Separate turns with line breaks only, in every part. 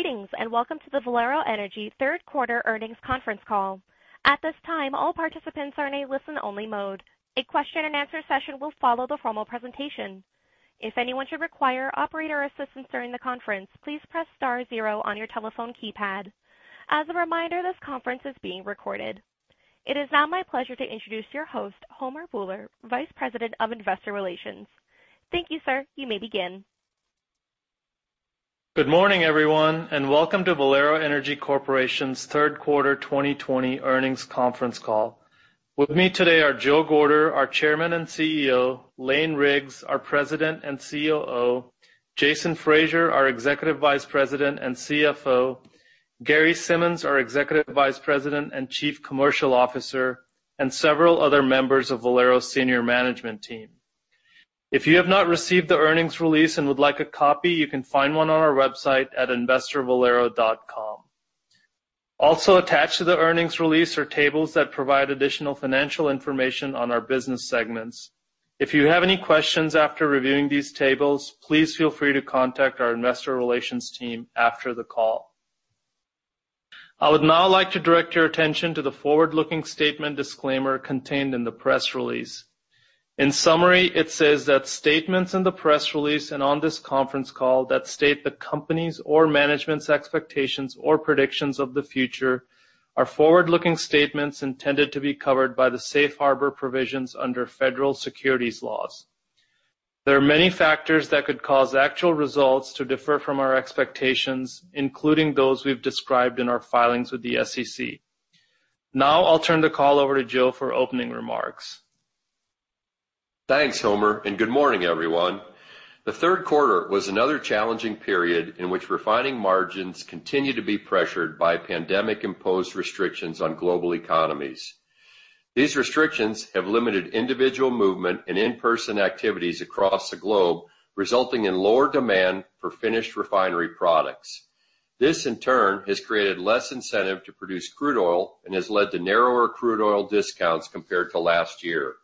Greetings. Welcome to the Valero Energy third quarter earnings conference call. At this time, all participants are in a listen-only mode. A question and answer session will follow the formal presentation. If anyone should require operator assistance during the conference, please press star zero on your telephone keypad. As a reminder, this conference is being recorded. It is now my pleasure to introduce your host, Homer Bhullar, Vice President of Investor Relations. Thank you, sir. You may begin.
Good morning, everyone. Welcome to Valero Energy Corporation's third quarter 2020 earnings conference call. With me today are Joe Gorder, our Chairman and CEO, Lane Riggs, our President and COO, Jason Fraser, our Executive Vice President and CFO, Gary Simmons, our Executive Vice President and Chief Commercial Officer, and several other members of Valero senior management team. If you have not received the earnings release and would like a copy, you can find one on our website at investorvalero.com. Also attached to the earnings release are tables that provide additional financial information on our business segments. If you have any questions after reviewing these tables, please feel free to contact our investor relations team after the call. I would now like to direct your attention to the forward-looking statement disclaimer contained in the press release. In summary, it says that statements in the press release and on this conference call that state the company's or management's expectations or predictions of the future are forward-looking statements intended to be covered by the safe harbor provisions under federal securities laws. There are many factors that could cause actual results to differ from our expectations, including those we've described in our filings with the SEC. I'll turn the call over to Joe for opening remarks.
Thanks, Homer. Good morning, everyone. The third quarter was another challenging period in which refining margins continued to be pressured by pandemic-imposed restrictions on global economies. These restrictions have limited individual movement and in-person activities across the globe, resulting in lower demand for finished refinery products. This in turn has created less incentive to produce crude oil and has led to narrower crude oil discounts compared to last year.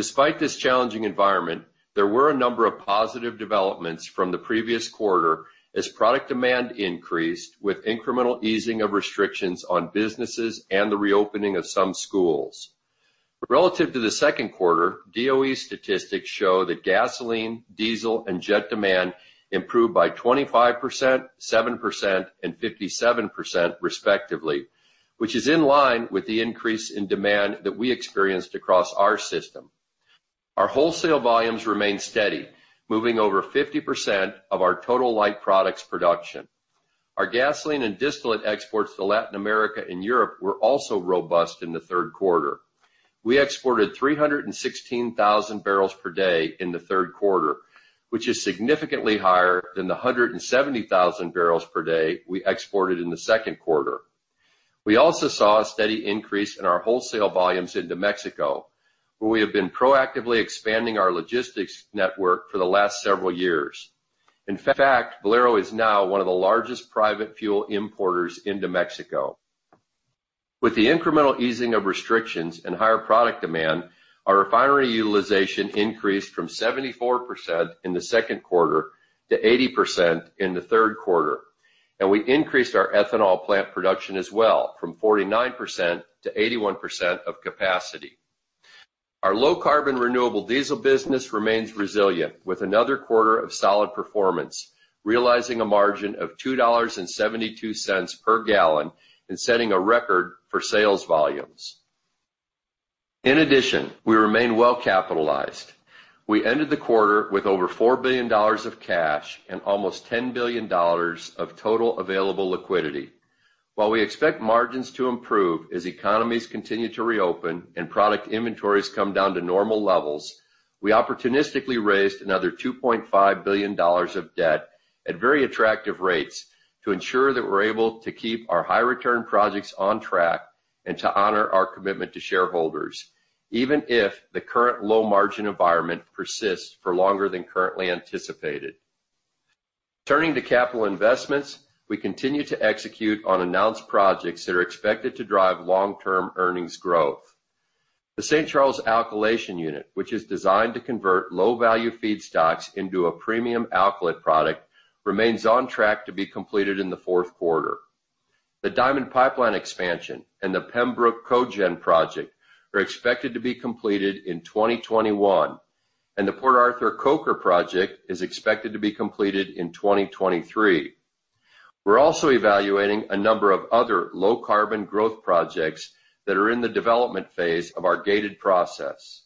Despite this challenging environment, there were a number of positive developments from the previous quarter as product demand increased with incremental easing of restrictions on businesses and the reopening of some schools. Relative to the second quarter, DOE statistics show that gasoline, diesel, and jet demand improved by 25%, 7%, and 57% respectively, which is in line with the increase in demand that we experienced across our system. Our wholesale volumes remain steady, moving over 50% of our total light products production. Our gasoline and distillate exports to Latin America and Europe were also robust in the third quarter. We exported 316,000 barrels per day in the third quarter, which is significantly higher than the 170,000 barrels per day we exported in the second quarter. We also saw a steady increase in our wholesale volumes into Mexico, where we have been proactively expanding our logistics network for the last several years. In fact, Valero is now one of the largest private fuel importers into Mexico. With the incremental easing of restrictions and higher product demand, our refinery utilization increased from 74% in the second quarter to 80% in the third quarter, and we increased our ethanol plant production as well from 49% to 81% of capacity. Our low carbon renewable diesel business remains resilient with another quarter of solid performance, realizing a margin of $2.72 per gallon and setting a record for sales volumes. In addition, we remain well capitalized. We ended the quarter with over $4 billion of cash and almost $10 billion of total available liquidity. While we expect margins to improve as economies continue to reopen and product inventories come down to normal levels, we opportunistically raised another $2.5 billion of debt at very attractive rates to ensure that we are able to keep our high return projects on track and to honor our commitment to shareholders, even if the current low margin environment persists for longer than currently anticipated. Turning to capital investments, we continue to execute on announced projects that are expected to drive long-term earnings growth. The St. Charles Alkylation unit, which is designed to convert low-value feedstocks into a premium alkylate product, remains on track to be completed in the fourth quarter. The Diamond Pipeline expansion and the Pembroke Cogen project are expected to be completed in 2021, and the Port Arthur Coker project is expected to be completed in 2023. We're also evaluating a number of other low carbon growth projects that are in the development phase of our gated process.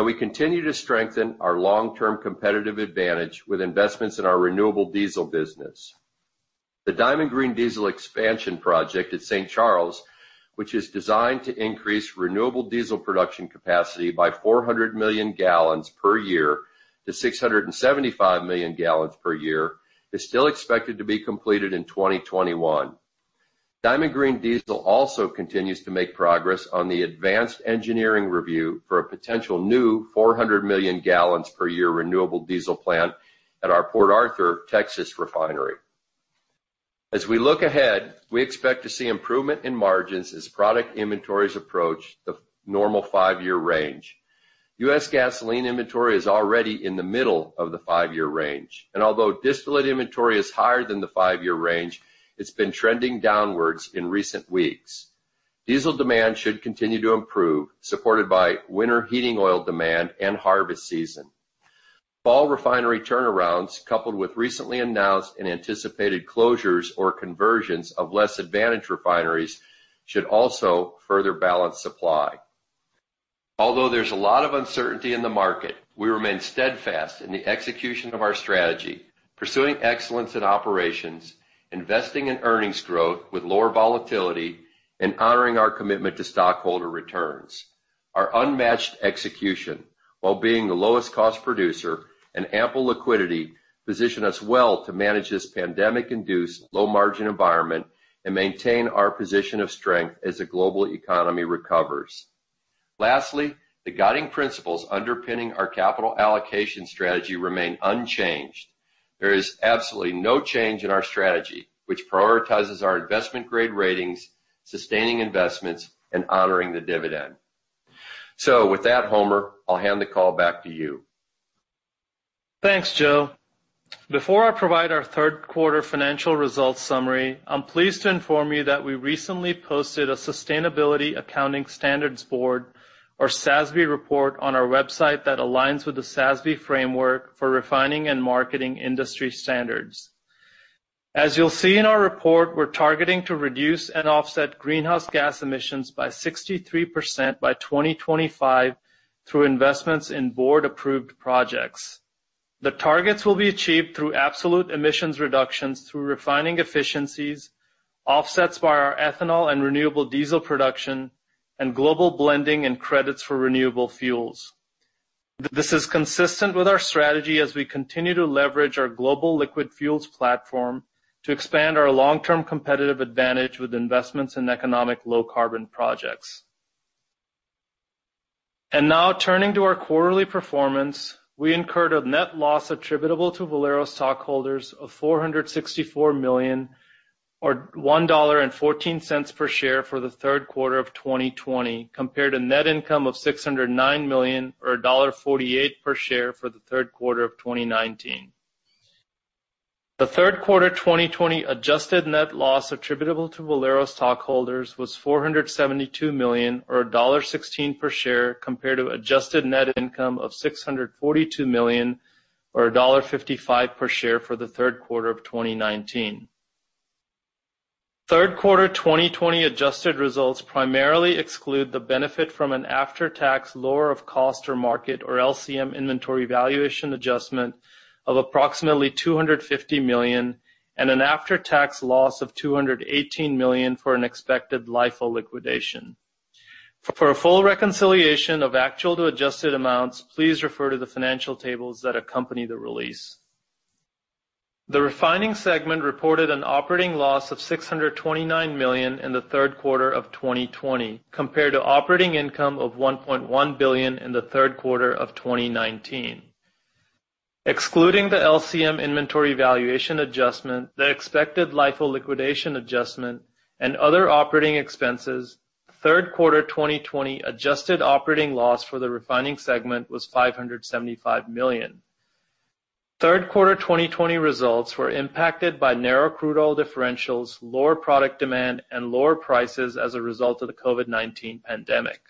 We continue to strengthen our long-term competitive advantage with investments in our renewable diesel business. The Diamond Green Diesel expansion project at St. Charles, which is designed to increase renewable diesel production capacity by 400 million gallons per year to 675 million gallons per year, is still expected to be completed in 2021. Diamond Green Diesel also continues to make progress on the advanced engineering review for a potential new 400 million gallons per year renewable diesel plant at our Port Arthur, Texas refinery. As we look ahead, we expect to see improvement in margins as product inventories approach the normal five-year range. U.S. gasoline inventory is already in the middle of the five-year range, and although distillate inventory is higher than the five-year range, it's been trending downwards in recent weeks. Diesel demand should continue to improve, supported by winter heating oil demand and harvest season. Fall refinery turnarounds, coupled with recently announced and anticipated closures or conversions of less advantaged refineries, should also further balance supply. Although there's a lot of uncertainty in the market, we remain steadfast in the execution of our strategy, pursuing excellence in operations, investing in earnings growth with lower volatility, and honoring our commitment to stockholder returns. Our unmatched execution, while being the lowest cost producer and ample liquidity, position us well to manage this pandemic-induced low margin environment and maintain our position of strength as the global economy recovers. Lastly, the guiding principles underpinning our capital allocation strategy remain unchanged. There is absolutely no change in our strategy, which prioritizes our investment-grade ratings, sustaining investments and honoring the dividend. With that, Homer, I'll hand the call back to you.
Thanks, Joe. Before I provide our third quarter financial results summary, I'm pleased to inform you that we recently posted a Sustainability Accounting Standards Board, or SASB report on our website that aligns with the SASB framework for refining and marketing industry standards. As you'll see in our report, we're targeting to reduce and offset greenhouse gas emissions by 63% by 2025 through investments in board-approved projects. The targets will be achieved through absolute emissions reductions through refining efficiencies, offsets via our ethanol and renewable diesel production, and global blending and credits for renewable fuels. This is consistent with our strategy as we continue to leverage our global liquid fuels platform to expand our long-term competitive advantage with investments in economic low carbon projects. Now turning to our quarterly performance, we incurred a net loss attributable to Valero stockholders of $464 million, or $1.14 per share for the third quarter of 2020 compared to net income of $609 million or $1.48 per share for the third quarter of 2019. The third quarter of 2020 adjusted net loss attributable to Valero stockholders was $472 million or $1.16 per share compared to adjusted net income of $642 million or $1.55 per share for the third quarter of 2019. Third quarter 2020 adjusted results primarily exclude the benefit from an after-tax lower of cost or market or LCM inventory valuation adjustment of approximately $250 million and an after-tax loss of $218 million for an expected LIFO liquidation. For a full reconciliation of actual to adjusted amounts, please refer to the financial tables that accompany the release. The refining segment reported an operating loss of $629 million in the third quarter of 2020 compared to operating income of $1.1 billion in the third quarter of 2019. Excluding the LCM inventory valuation adjustment, the expected LIFO liquidation adjustment and other operating expenses, third quarter 2020 adjusted operating loss for the refining segment was $575 million. Third quarter 2020 results were impacted by narrow crude oil differentials, lower product demand, and lower prices as a result of the COVID-19 pandemic.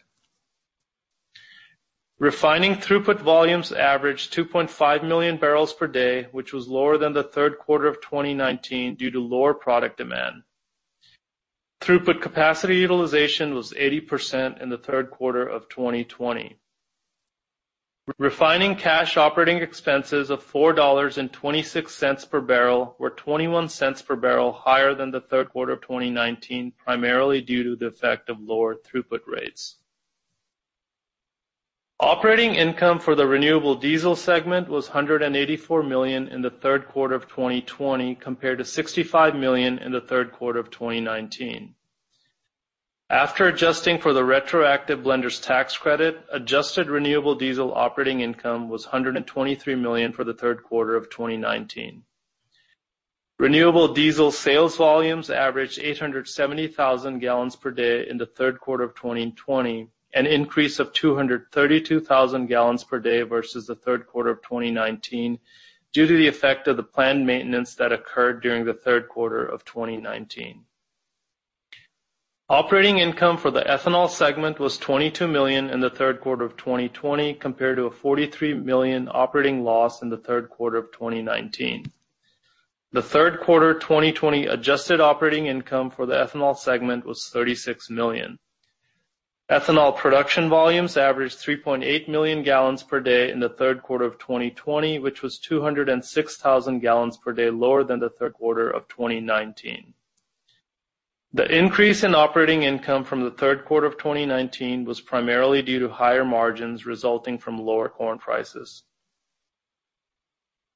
Refining throughput volumes averaged 2.5 million barrels per day, which was lower than the third quarter of 2019 due to lower product demand. Throughput capacity utilization was 80% in the third quarter of 2020. Refining cash operating expenses of $4.26 per barrel were $0.21 per barrel higher than the third quarter of 2019, primarily due to the effect of lower throughput rates. Operating income for the renewable diesel segment was $184 million in the third quarter of 2020 compared to $65 million in the third quarter of 2019. After adjusting for the retroactive blender's tax credit, adjusted renewable diesel operating income was $123 million for the third quarter of 2019. Renewable diesel sales volumes averaged 870,000 gallons per day in the third quarter of 2020, an increase of 232,000 gallons per day versus the third quarter of 2019 due to the effect of the planned maintenance that occurred during the third quarter of 2019. Operating income for the ethanol segment was $22 million in the third quarter of 2020 compared to a $43 million operating loss in the third quarter of 2019. The third quarter 2020 adjusted operating income for the ethanol segment was $36 million. Ethanol production volumes averaged 3.8 million gallons per day in the third quarter of 2020, which was 206,000 gallons per day lower than the third quarter of 2019. The increase in operating income from the third quarter of 2019 was primarily due to higher margins resulting from lower corn prices.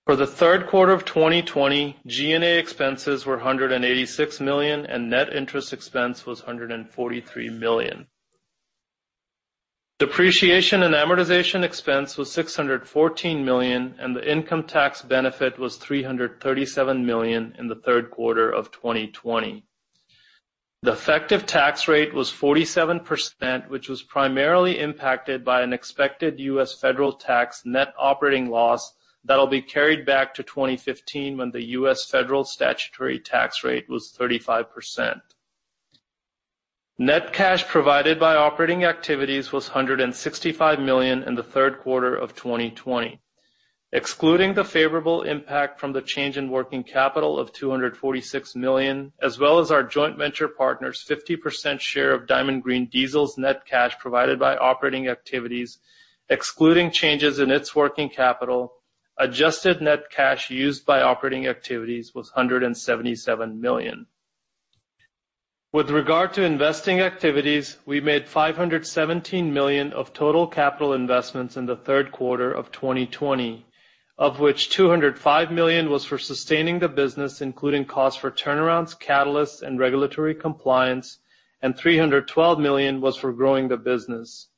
For the third quarter of 2020, G&A expenses were $186 million, and net interest expense was $143 million. Depreciation and amortization expense was $614 million, and the income tax benefit was $337 million in the third quarter of 2020. The effective tax rate was 47%, which was primarily impacted by an expected U.S. federal tax net operating loss that'll be carried back to 2015 when the U.S. federal statutory tax rate was 35%. Net cash provided by operating activities was $165 million in the third quarter of 2020. Excluding the favorable impact from the change in working capital of $246 million, as well as our joint venture partner's 50% share of Diamond Green Diesel's net cash provided by operating activities, excluding changes in its working capital, adjusted net cash used by operating activities was $177 million. With regard to investing activities, we made $517 million of total capital investments in the third quarter of 2020, of which $205 million was for sustaining the business, including costs for turnarounds, catalysts, and regulatory compliance, and $312 million was for growing the business.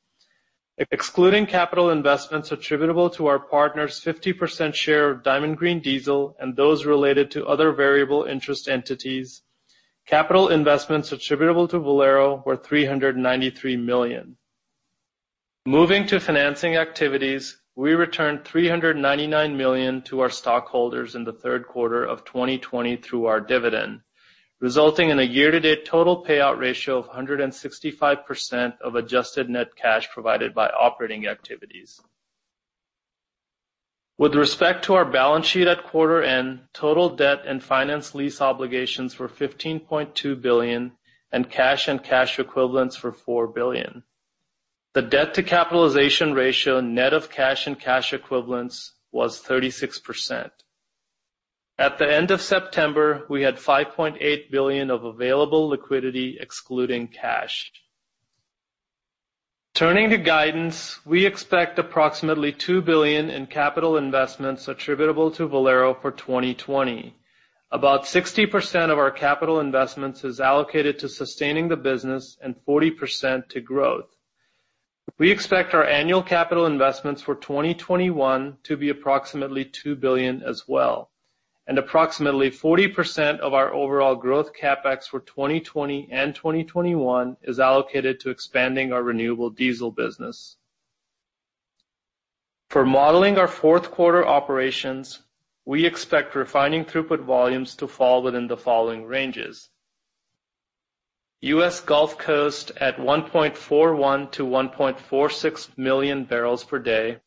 Excluding capital investments attributable to our partner's 50% share of Diamond Green Diesel and those related to other variable interest entities, capital investments attributable to Valero were $393 million. Moving to financing activities, we returned $399 million to our stockholders in the third quarter of 2020 through our dividend, resulting in a year-to-date total payout ratio of 165% of adjusted net cash provided by operating activities. With respect to our balance sheet at quarter end, total debt and finance lease obligations were $15.2 billion and cash and cash equivalents were $4 billion. The debt-to-capitalization ratio net of cash and cash equivalents was 36%. At the end of September, we had $5.8 billion of available liquidity excluding cash. Turning to guidance, we expect approximately $2 billion in capital investments attributable to Valero for 2020. About 60% of our capital investments is allocated to sustaining the business and 40% to growth. We expect our annual capital investments for 2021 to be approximately $2 billion as well. Approximately 40% of our overall growth CapEx for 2020 and 2021 is allocated to expanding our renewable diesel business. For modeling our fourth quarter operations, we expect refining throughput volumes to fall within the following ranges: U.S. Gulf Coast at 1.41 to 1.46 million barrels per day,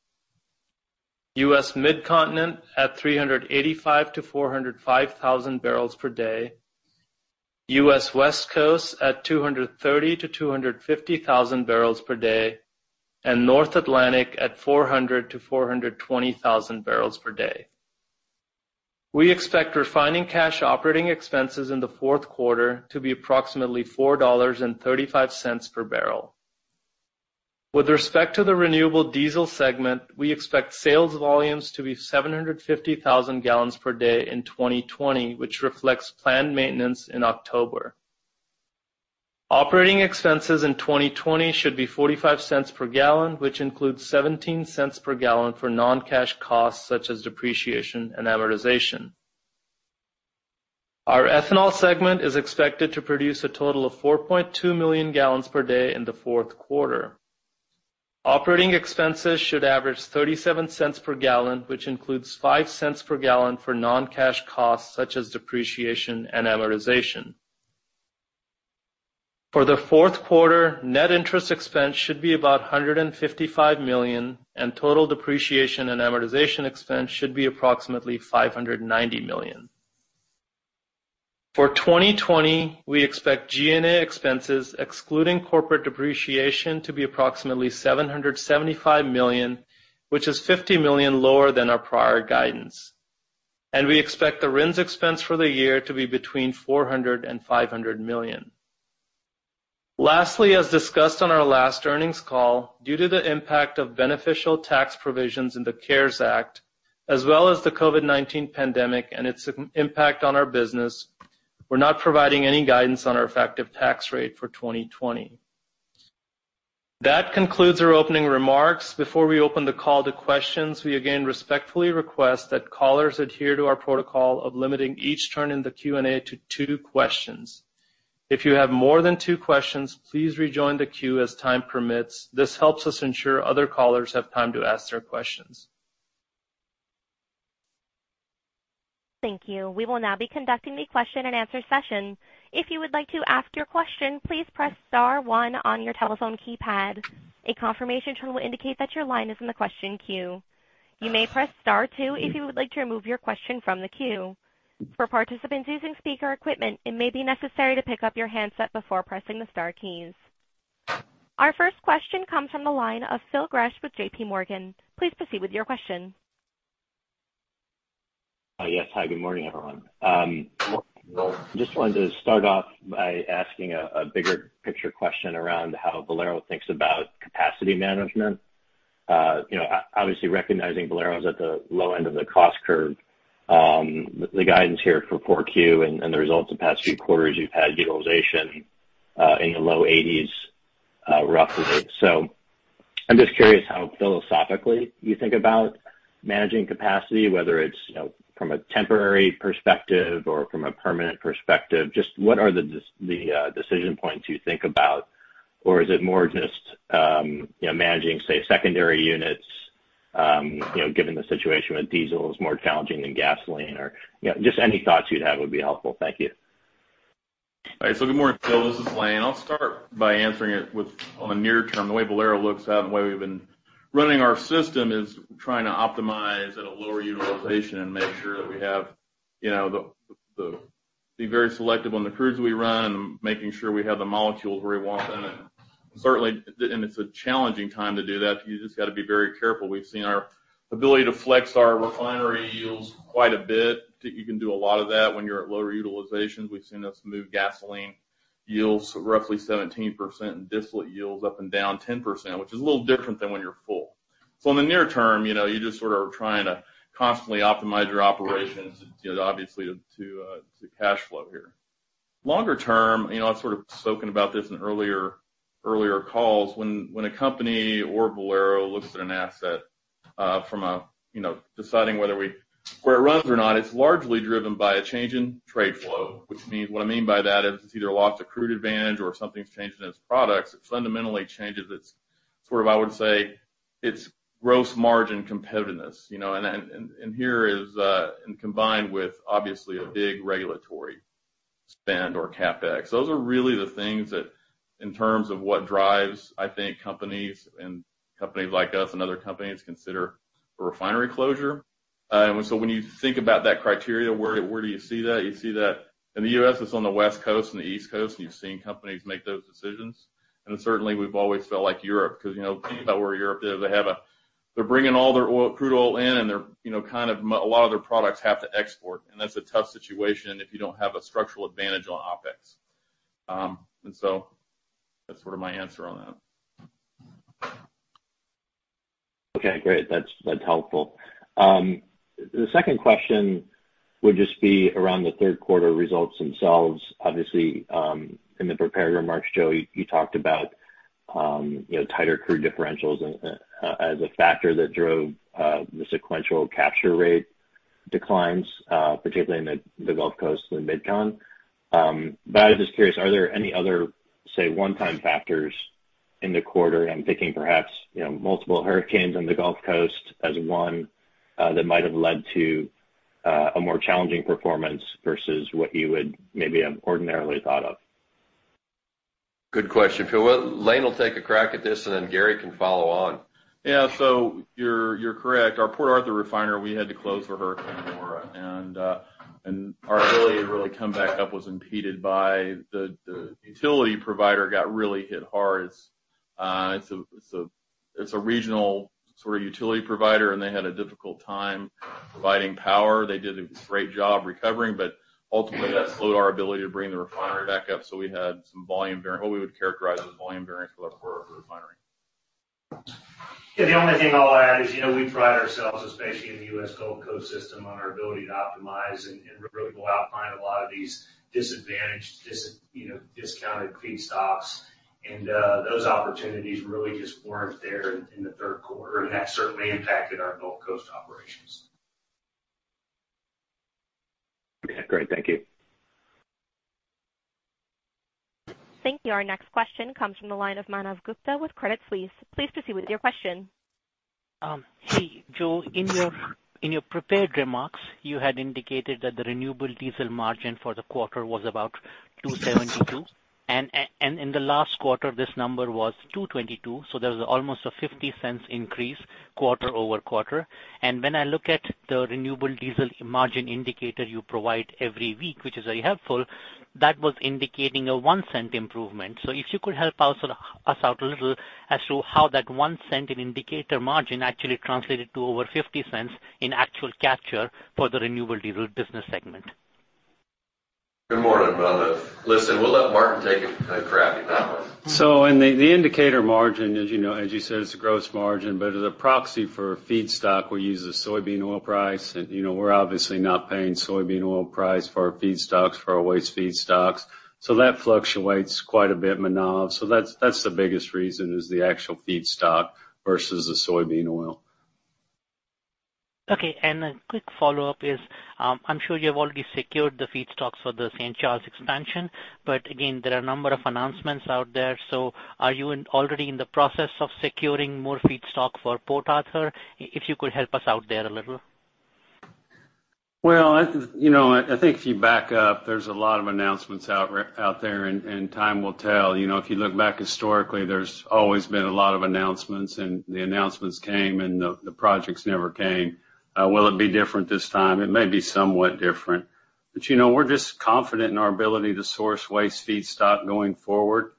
U.S. Midcontinent at 385 to 405,000 barrels per day, U.S. West Coast at 230 to 250,000 barrels per day, and North Atlantic at 400 to 420,000 barrels per day. We expect refining cash operating expenses in the fourth quarter to be approximately $4.35 per barrel. With respect to the renewable diesel segment, we expect sales volumes to be 750,000 gallons per day in 2020, which reflects planned maintenance in October. Operating expenses in 2020 should be $0.45 per gallon, which includes $0.17 per gallon for non-cash costs such as depreciation and amortization. Our ethanol segment is expected to produce a total of 4.2 million gallons per day in the fourth quarter. Operating expenses should average $0.37 per gallon, which includes $0.05 per gallon for non-cash costs such as depreciation and amortization. For the fourth quarter, net interest expense should be about $155 million. Total depreciation and amortization expense should be approximately $590 million. For 2020, we expect G&A expenses excluding corporate depreciation to be approximately $775 million, which is $50 million lower than our prior guidance. We expect the RINs expense for the year to be between $400 million and $500 million. Lastly, as discussed on our last earnings call, due to the impact of beneficial tax provisions in the CARES Act, as well as the COVID-19 pandemic and its impact on our business, we're not providing any guidance on our effective tax rate for 2020. That concludes our opening remarks. Before we open the call to questions, we again respectfully request that callers adhere to our protocol of limiting each turn in the Q&A to two questions. If you have more than two questions, please rejoin the queue as time permits. This helps us ensure other callers have time to ask their questions.
Thank you. We will now be conducting the question and answer session. If you would like to ask your question, please press star one on your telephone keypad. A confirmation tone will indicate that your line is in the question queue. You may press star two if you would like to remove your question from the queue. For participants using speaker equipment, it may be necessary to pick up your handset before pressing the star keys. Our first question comes from the line of Phil Gresh with JPMorgan. Please proceed with your question.
Yes. Hi, good morning, everyone.
Good morning, Phil.
Just wanted to start off by asking a bigger picture question around how Valero thinks about capacity management
Obviously recognizing Valero is at the low end of the cost curve. The guidance here for core Q and the results of the past few quarters, you've had utilization in your low 80s, roughly. I'm just curious how philosophically you think about managing capacity, whether it's from a temporary perspective or from a permanent perspective. Just what are the decision points you think about? Or is it more just managing, say, secondary units, given the situation with diesel is more challenging than gasoline? Or just any thoughts you'd have would be helpful. Thank you.
All right. Good morning, Phil. This is Lane. I'll start by answering it with on the near term, the way Valero looks at and the way we've been running our system is trying to optimize at a lower utilization and make sure that we Be very selective on the crews we run and making sure we have the molecules where we want them. It's a challenging time to do that. You just got to be very careful. We've seen our ability to flex our refinery yields quite a bit. You can do a lot of that when you're at lower utilizations. We've seen us move gasoline yields roughly 17% and distillate yields up and down 10%, which is a little different than when you're full. In the near term, you just sort of trying to constantly optimize your operations, obviously, to cash flow here. Longer term, I've sort of spoken about this in earlier calls. When a company or Valero looks at an asset from deciding where it runs or not, it's largely driven by a change in trade flow. What I mean by that is it's either lost a crude advantage or something's changed in its products. It fundamentally changes its sort of, I would say, its gross margin competitiveness. Combined with obviously a big regulatory spend or CapEx. Those are really the things that in terms of what drives, I think, companies and companies like us and other companies consider a refinery closure. When you think about that criteria, where do you see that? You see that in the U.S., it's on the West Coast and the East Coast, and you've seen companies make those decisions. Certainly, we've always felt like Europe, because think about where Europe is. They're bringing all their crude oil in and they're kind of a lot of their products have to export. That's a tough situation if you don't have a structural advantage on OpEx. That's sort of my answer on that.
Okay, great. That's helpful. The second question would just be around the third quarter results themselves. Obviously, in the prepared remarks, Joe, you talked about tighter crude differentials as a factor that drove the sequential capture rate declines, particularly in the Gulf Coast and MidCon. I was just curious, are there any other, say, one-time factors in the quarter? I'm thinking perhaps multiple hurricanes in the Gulf Coast as one that might have led to a more challenging performance versus what you would maybe have ordinarily thought of.
Good question, Phil. Well, Lane will take a crack at this, then Gary can follow on.
Yeah. You're correct. Our Port Arthur refiner, we had to close for Hurricane Laura. Our ability to really come back up was impeded by the utility provider got really hit hard. It's a regional sort of utility provider, and they had a difficult time providing power. They did a great job recovering, but ultimately, that slowed our ability to bring the refinery back up. We had some volume what we would characterize as volume variance with our Port Arthur refinery.
Yeah. The only thing I'll add is, we pride ourselves, especially in the US Gulf Coast system, on our ability to optimize and really go out and find a lot of these disadvantaged, discounted feedstocks. Those opportunities really just weren't there in the third quarter, and that certainly impacted our Gulf Coast operations.
Okay, great. Thank you.
Thank you. Our next question comes from the line of Manav Gupta with Credit Suisse. Please proceed with your question.
Hey, Joe. In your prepared remarks, you had indicated that the renewable diesel margin for the quarter was about 272. In the last quarter, this number was 222. There was almost a $0.50 increase quarter-over-quarter. When I look at the renewable diesel margin indicator you provide every week, which is very helpful, that was indicating a $0.01 improvement. If you could help us out a little as to how that $0.01 in indicator margin actually translated to over $0.50 in actual capture for the renewable diesel business segment.
Good morning, Manav. Listen, we'll let Martin take a crack at that one.
In the indicator margin, as you said, it's a gross margin, but as a proxy for feedstock, we use the soybean oil price. We're obviously not paying soybean oil price for our feedstocks, for our waste feedstocks. That fluctuates quite a bit, Manav. That's the biggest reason is the actual feedstock versus the soybean oil.
Okay. A quick follow-up is, I'm sure you have already secured the feedstocks for the St. Charles expansion. Again, there are a number of announcements out there. Are you already in the process of securing more feedstock for Port Arthur? If you could help us out there a little.
I think if you back up, there's a lot of announcements out there, and time will tell. If you look back historically, there's always been a lot of announcements, and the announcements came and the projects never came. Will it be different this time? It may be somewhat different. We're just confident in our ability to source waste feedstock going forward.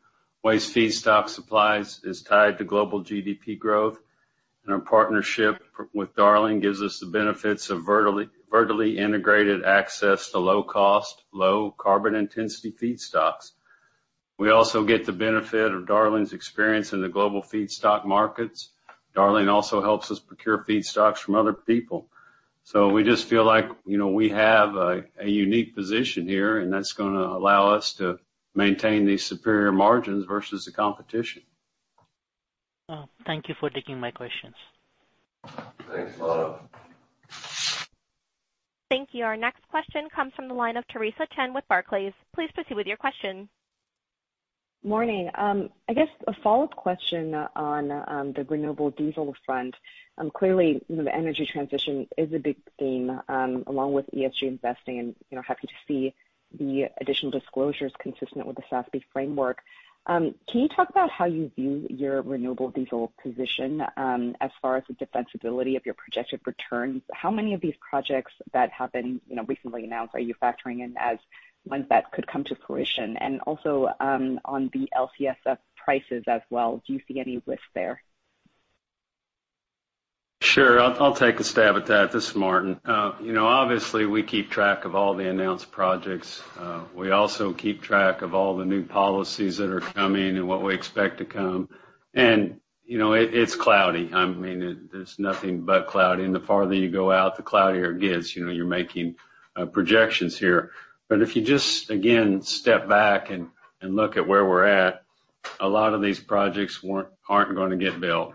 Waste feedstock supplies is tied to global GDP growth, and our partnership with Darling gives us the benefits of vertically integrated access to low cost, low Carbon Intensity feedstocks. We also get the benefit of Darling's experience in the global feedstock markets. Darling also helps us procure feedstocks from other people. We just feel like we have a unique position here, and that's going to allow us to maintain these superior margins versus the competition.
Thank you for taking my questions.
Thanks, Lana.
Thank you. Our next question comes from the line of Theresa Chen with Barclays. Please proceed with your question.
Morning. I guess a follow-up question on the renewable diesel front. Clearly, the energy transition is a big theme, along with ESG investing, and happy to see the additional disclosures consistent with the SASB framework. Can you talk about how you view your renewable diesel position, as far as the defensibility of your projected returns? How many of these projects that have been recently announced are you factoring in as ones that could come to fruition? Also, on the LCFS prices as well, do you see any risk there?
Sure. I'll take a stab at that. This is Martin. Obviously, we keep track of all the announced projects. We also keep track of all the new policies that are coming and what we expect to come. It's cloudy. I mean, it's nothing but cloudy, and the farther you go out, the cloudier it gets. You're making projections here. If you just, again, step back and look at where we're at, a lot of these projects aren't going to get built.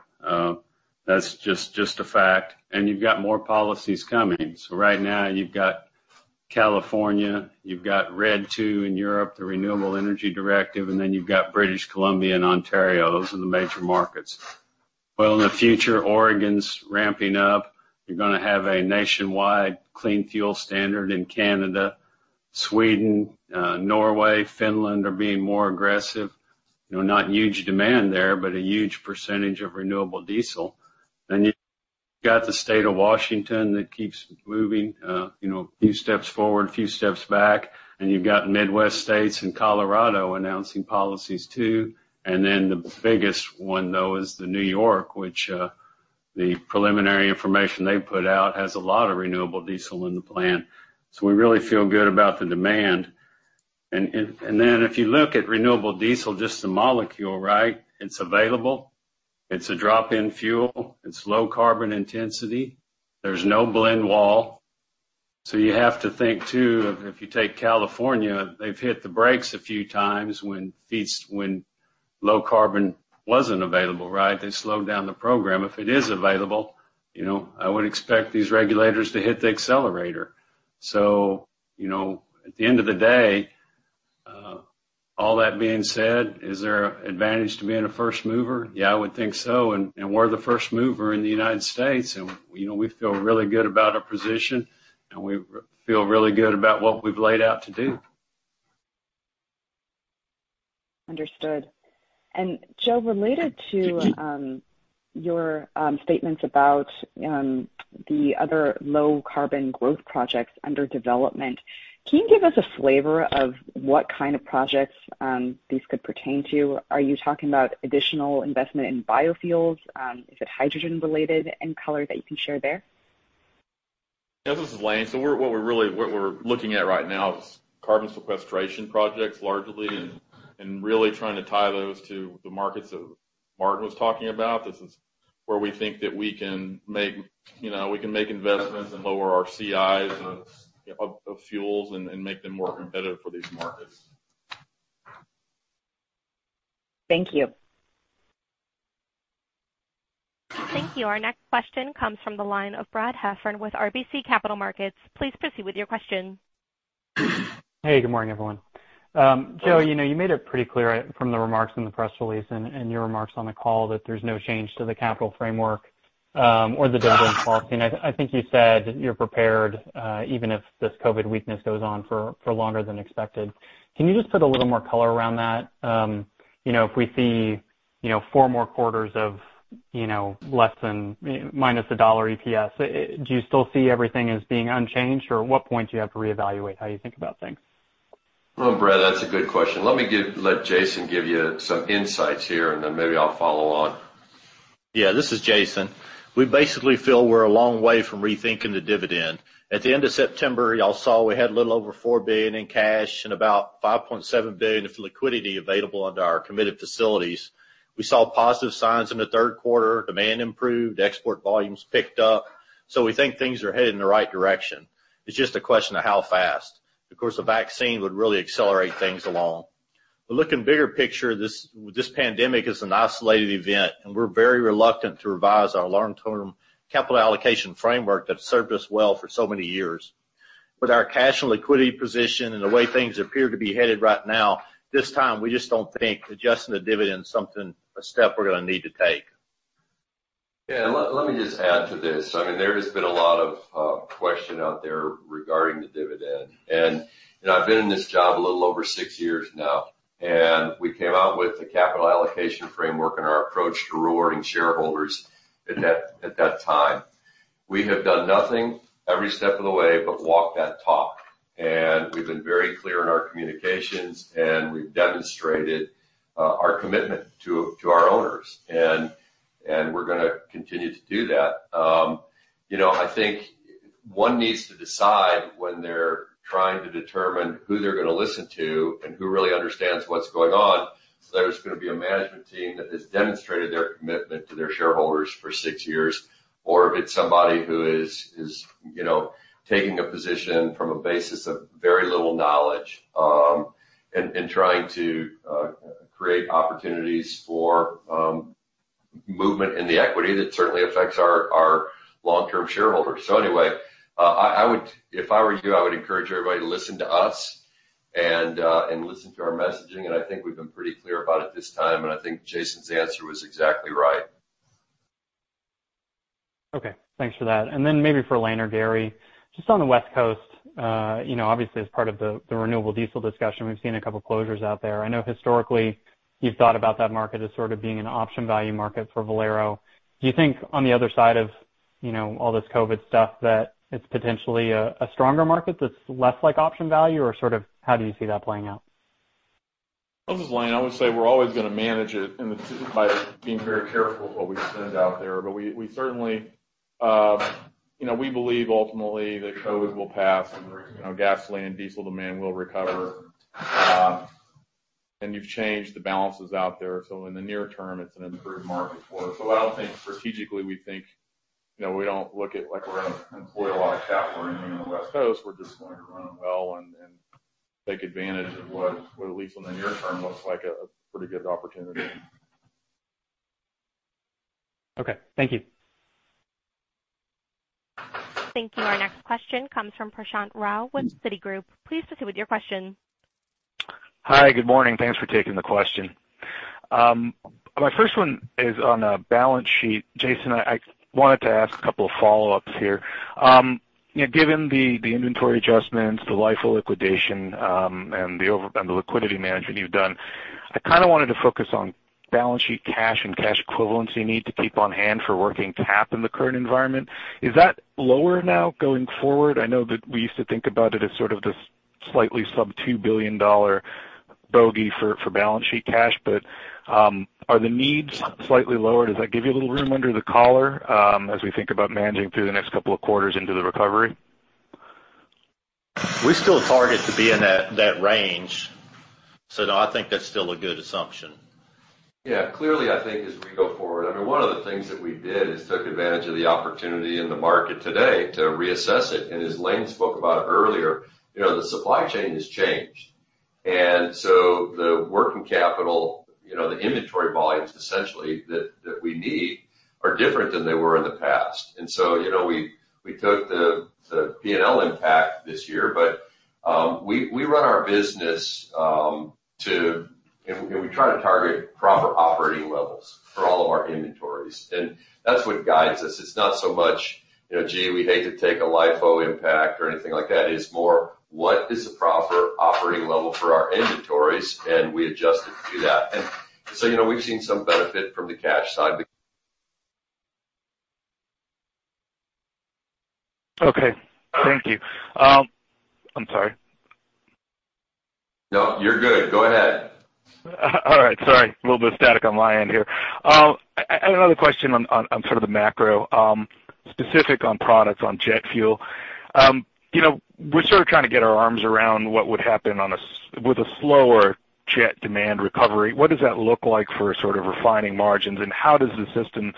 That's just a fact. You've got more policies coming. Right now you've got California, you've got RED II in Europe, the Renewable Energy Directive, and then you've got British Columbia and Ontario. Those are the major markets. Well, in the future, Oregon's ramping up. You're going to have a nationwide clean fuel standard in Canada. Sweden, Norway, Finland are being more aggressive. Not huge demand there, but a huge percentage of renewable diesel. You've got the state of Washington that keeps moving a few steps forward, a few steps back, and you've got Midwest states and Colorado announcing policies, too. The biggest one, though, is New York, which the preliminary information they put out has a lot of renewable diesel in the plan. We really feel good about the demand. If you look at renewable diesel, just the molecule, right? It's available. It's a drop-in fuel. It's low Carbon Intensity. There's no blend wall. You have to think, too, if you take California, they've hit the brakes a few times when low carbon wasn't available, right? They slowed down the program. If it is available, I would expect these regulators to hit the accelerator. At the end of the day, all that being said, is there advantage to being a first mover? Yeah, I would think so, and we're the first mover in the U.S., and we feel really good about our position, and we feel really good about what we've laid out to do.
Understood. Joe, related to your statements about the other low carbon growth projects under development, can you give us a flavor of what kind of projects these could pertain to? Are you talking about additional investment in biofuels? Is it hydrogen related in color that you can share there?
Yeah, this is Lane. What we're looking at right now is carbon sequestration projects largely and really trying to tie those to the markets that Martin was talking about. This is where we think that we can make investments and lower our CIs of fuels and make them more competitive for these markets.
Thank you.
Thank you. Our next question comes from the line of Brad Heffern with RBC Capital Markets. Please proceed with your question.
Hey, good morning, everyone. Joe, you made it pretty clear from the remarks in the press release and your remarks on the call that there's no change to the capital framework or the dividend policy. I think you said you're prepared even if this COVID weakness goes on for longer than expected. Can you just put a little more color around that? If we see four more quarters of less than minus $1 EPS, do you still see everything as being unchanged, or at what point do you have to reevaluate how you think about things?
Well, Brad, that's a good question. Let me let Jason give you some insights here, and then maybe I'll follow on.
This is Jason. We basically feel we're a long way from rethinking the dividend. At the end of September, y'all saw we had a little over $4 billion in cash and about $5.7 billion of liquidity available under our committed facilities. We saw positive signs in the third quarter. Demand improved, export volumes picked up. We think things are headed in the right direction. It's just a question of how fast. Of course, a vaccine would really accelerate things along. Looking bigger picture, this pandemic is an isolated event, and we're very reluctant to revise our long-term capital allocation framework that's served us well for so many years. With our cash and liquidity position and the way things appear to be headed right now, this time we just don't think adjusting the dividend is a step we're going to need to take.
Let me just add to this. There has been a lot of question out there regarding the dividend. I've been in this job a little over six years now, and we came out with the capital allocation framework and our approach to rewarding shareholders at that time. We have done nothing every step of the way but walk that talk. We've been very clear in our communications, and we've demonstrated our commitment to our owners. We're going to continue to do that. One needs to decide when they're trying to determine who they're going to listen to and who really understands what's going on. There's going to be a management team that has demonstrated their commitment to their shareholders for six years, or if it's somebody who is taking a position from a basis of very little knowledge, and trying to create opportunities for movement in the equity, that certainly affects our long-term shareholders. Anyway, if I were you, I would encourage everybody to listen to us and listen to our messaging. I think we've been pretty clear about it this time, and I think Jason's answer was exactly right.
Thanks for that. Maybe for Lane or Gary, just on the West Coast, obviously as part of the renewable diesel discussion, we've seen a couple closures out there. I know historically you've thought about that market as sort of being an option value market for Valero. Do you think on the other side of all this COVID stuff that it's potentially a stronger market that's less like option value or how do you see that playing out?
This is Lane. I would say we're always going to manage it by being very careful with what we send out there. We believe ultimately that COVID will pass and gasoline, diesel demand will recover. You've changed the balances out there. In the near term, it's an improved market for us. I don't think strategically, we don't look at like we're going to employ a lot of capital or anything on the West Coast. We're just going to run them well and take advantage of what at least in the near term, looks like a pretty good opportunity.
Okay. Thank you.
Thank you. Our next question comes from Prashant Rao with Citigroup. Please proceed with your question.
Hi. Good morning. Thanks for taking the question. My first one is on the balance sheet. Jason, I wanted to ask a couple of follow-ups here. Given the inventory adjustments, the LIFO liquidation, and the liquidity management you've done, I kind of wanted to focus on balance sheet cash and cash equivalents you need to keep on hand for working cap in the current environment. Is that lower now going forward? I know that we used to think about it as sort of this slightly sub $2 billion bogey for balance sheet cash. Are the needs slightly lower? Does that give you a little room under the collar as we think about managing through the next couple of quarters into the recovery?
We still target to be in that range. No, I think that is still a good assumption.
Yeah. Clearly, I think as we go forward, one of the things that we did is took advantage of the opportunity in the market today to reassess it. As Lane spoke about earlier, the supply chain has changed. The working capital, the inventory volumes essentially that we need are different than they were in the past. We took the P&L impact this year, but we run our business and we try to target proper operating levels for all of our inventories. That is what guides us. It is not so much, "Gee, we hate to take a LIFO impact or anything like that." It is more, what is the proper operating level for our inventories? And we adjust it to that. We have seen some benefit from the cash side.
Okay. Thank you. I am sorry.
No, you are good. Go ahead.
All right. Sorry, a little bit of static on my end here. I had another question on sort of the macro, specific on products on jet fuel. We're sort of trying to get our arms around what would happen with a slower jet demand recovery. What does that look like for sort of refining margins, and how does the system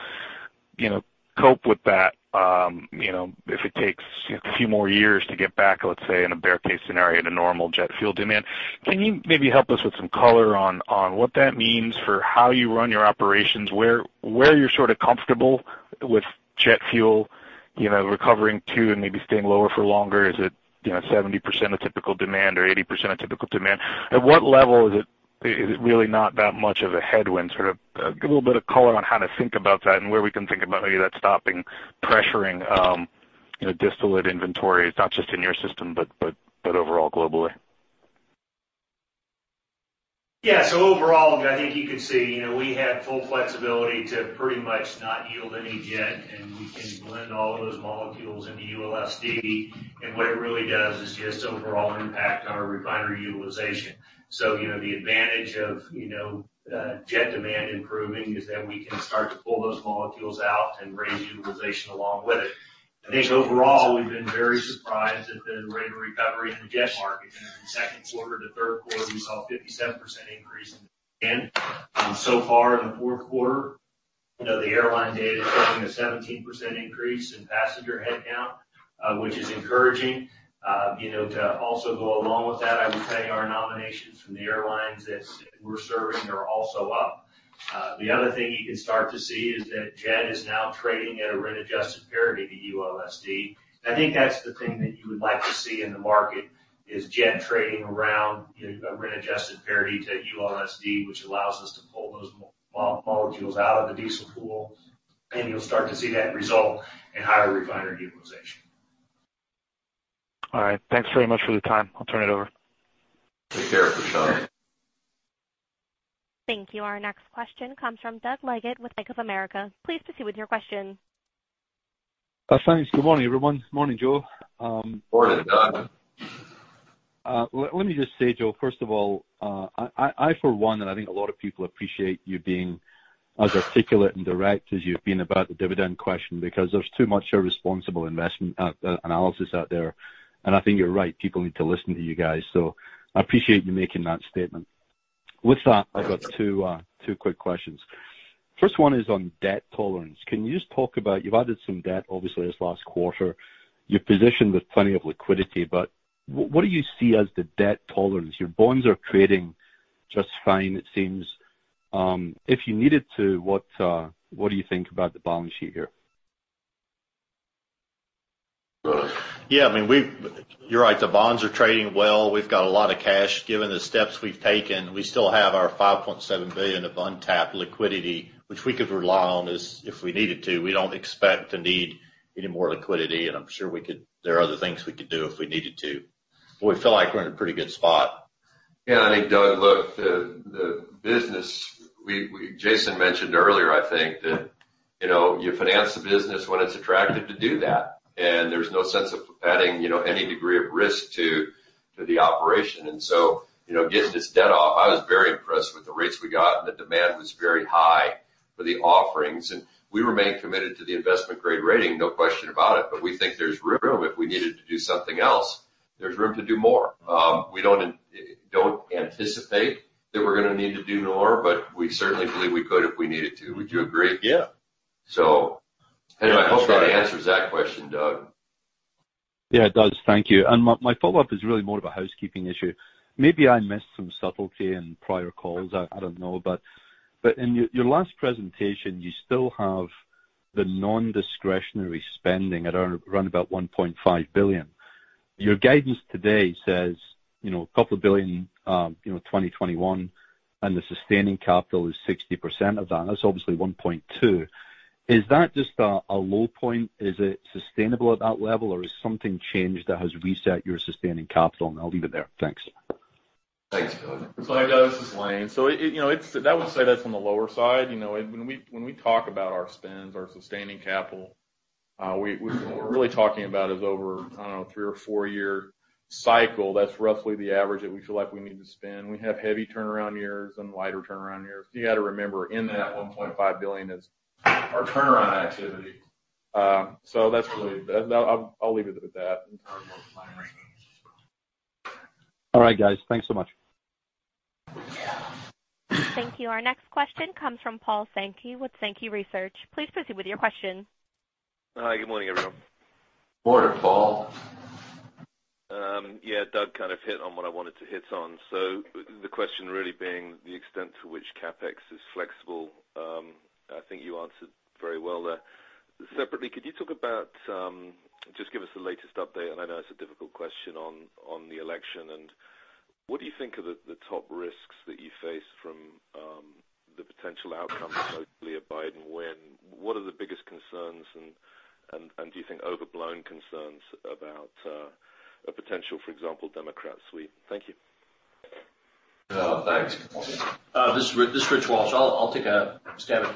cope with that if it takes a few more years to get back, let's say, in a bear case scenario, to normal jet fuel demand? Can you maybe help us with some color on what that means for how you run your operations, where you're sort of comfortable with jet fuel recovering too and maybe staying lower for longer? Is it 70% of typical demand or 80% of typical demand? At what level is it really not that much of a headwind? Sort of a little bit of color on how to think about that and where we can think about any of that stopping pressuring distillate inventory. It's not just in your system, but overall globally.
Yeah. Overall, I think you could see, we had full flexibility to pretty much not yield any jet, and we can blend all of those molecules into ULSD. What it really does is just overall impact on our refinery utilization. The advantage of jet demand improving is that we can start to pull those molecules out and raise utilization along with it. I think overall, we've been very surprised at the rate of recovery in the jet market. From second quarter to third quarter, we saw a 57% increase in demand. So far in the fourth quarter, the airline data is showing a 17% increase in passenger headcount, which is encouraging. To also go along with that, I would say our nominations from the airlines that we're serving are also up. The other thing you can start to see is that jet is now trading at a rent-adjusted parity to ULSD. I think that's the thing that you would like to see in the market, is jet trading around a rent-adjusted parity to ULSD, which allows us to pull those molecules out of the diesel pool, and you'll start to see that result in higher refinery utilization.
All right. Thanks very much for the time. I'll turn it over.
Take care, Prashant.
Thank you. Our next question comes from Doug Leggate with Bank of America. Please proceed with your question.
Thanks. Good morning, everyone. Morning, Joe.
Morning, Doug.
Let me just say, Joe, first of all, I for one, and I think a lot of people appreciate you being as articulate and direct as you've been about the dividend question, because there's too much irresponsible investment analysis out there. I think you're right, people need to listen to you guys. I appreciate you making that statement. With that, I've got two quick questions. First one is on debt tolerance. Can you just talk about, you've added some debt, obviously, this last quarter. You're positioned with plenty of liquidity, but what do you see as the debt tolerance? Your bonds are trading just fine, it seems. If you needed to, what do you think about the balance sheet here?
Yeah, you're right. The bonds are trading well. We've got a lot of cash given the steps we've taken. We still have our $5.7 billion of untapped liquidity, which we could rely on if we needed to. We don't expect to need any more liquidity, I'm sure there are other things we could do if we needed to. We feel like we're in a pretty good spot.
Yeah, I think, Doug, look, the business, Jason mentioned earlier, I think that, you finance the business when it's attractive to do that. There's no sense of adding any degree of risk to the operation. Getting this debt off, I was very impressed with the rates we got, the demand was very high for the offerings. We remain committed to the investment-grade rating, no question about it. We think there's room if we needed to do something else. There's room to do more. We don't anticipate that we're going to need to do more, but we certainly believe we could if we needed to. Would you agree?
Yeah.
Anyway, I hope that answers that question, Doug.
Yeah, it does. Thank you. My follow-up is really more of a housekeeping issue. Maybe I missed some subtlety in prior calls, I don't know. In your last presentation, you still have the non-discretionary spending at around about $1.5 billion. Your guidance today says, a couple of billion, 2021, and the sustaining capital is 60% of that. That's obviously $1.2 billion. Is that just a low point? Is it sustainable at that level, or has something changed that has reset your sustaining capital? I'll leave it there. Thanks.
Thanks, Doug.
Hi, Doug, this is Lane. I would say that's on the lower side. When we talk about our spends, our sustaining capital, what we're really talking about is over, I don't know, three or four-year cycle. That's roughly the average that we feel like we need to spend. We have heavy turnaround years and lighter turnaround years. You got to remember, in that $1.5 billion is our turnaround activity. I'll leave it at that in terms of our planning.
All right, guys. Thanks so much.
Thank you. Our next question comes from Paul Sankey with Sankey Research. Please proceed with your question.
Hi, good morning, everyone.
Morning, Paul.
Doug kind of hit on what I wanted to hit on. The question really being the extent to which CapEx is flexible. I think you answered very well there. Separately, just give us the latest update, and I know it's a difficult question, on the election, and what do you think are the top risks that you face from the potential outcome, mostly a Biden win? What are the biggest concerns, and do you think overblown concerns about a potential, for example, Democrat sweep? Thank you.
Thanks.
This is Rich Walsh. I'll take a stab at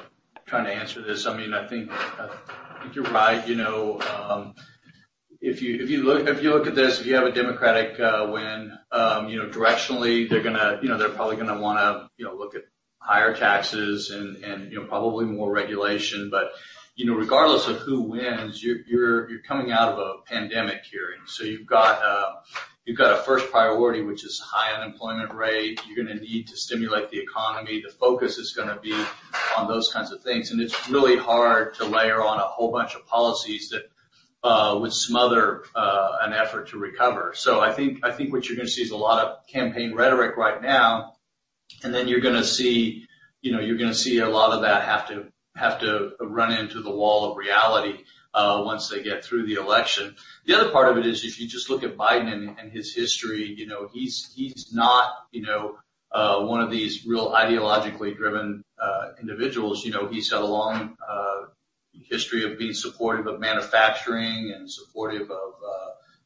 trying to answer this. I think you're right. If you look at this, if you have a Democratic win, directionally they're probably gonna wanna look at higher taxes and probably more regulation. Regardless of who wins, you're coming out of a pandemic here. You've got a first priority, which is high unemployment rate. You're gonna need to stimulate the economy. The focus is gonna be on those kinds of things, and it's really hard to layer on a whole bunch of policies that would smother an effort to recover. I think what you're gonna see is a lot of campaign rhetoric right now, and then you're gonna see a lot of that have to run into the wall of reality once they get through the election.
The other part of it is, if you just look at Biden and his history, he's not one of these real ideologically driven individuals. He's had a long history of being supportive of manufacturing and supportive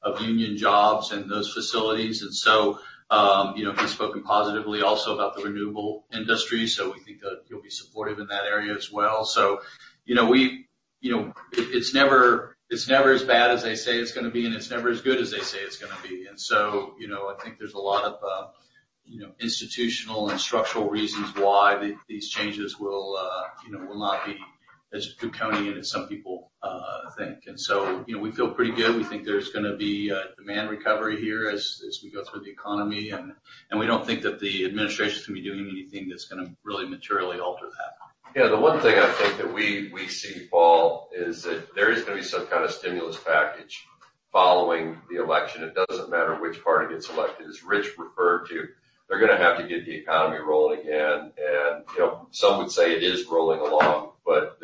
of union jobs and those facilities. He's spoken positively also about the renewable industry, so we think that he'll be supportive in that area as well. It's never as bad as they say it's gonna be, and it's never as good as they say it's gonna be. I think there's a lot of institutional and structural reasons why these changes will not be as draconian as some people think. We feel pretty good. We think there's gonna be a demand recovery here as we go through the economy. We don't think that the administration is going to be doing anything that's gonna really materially alter that.
The one thing I think that we see, Paul, is that there is going to be some kind of stimulus package following the election. It doesn't matter which party gets elected. As Rich referred to, they're gonna have to get the economy rolling again. Some would say it is rolling along, but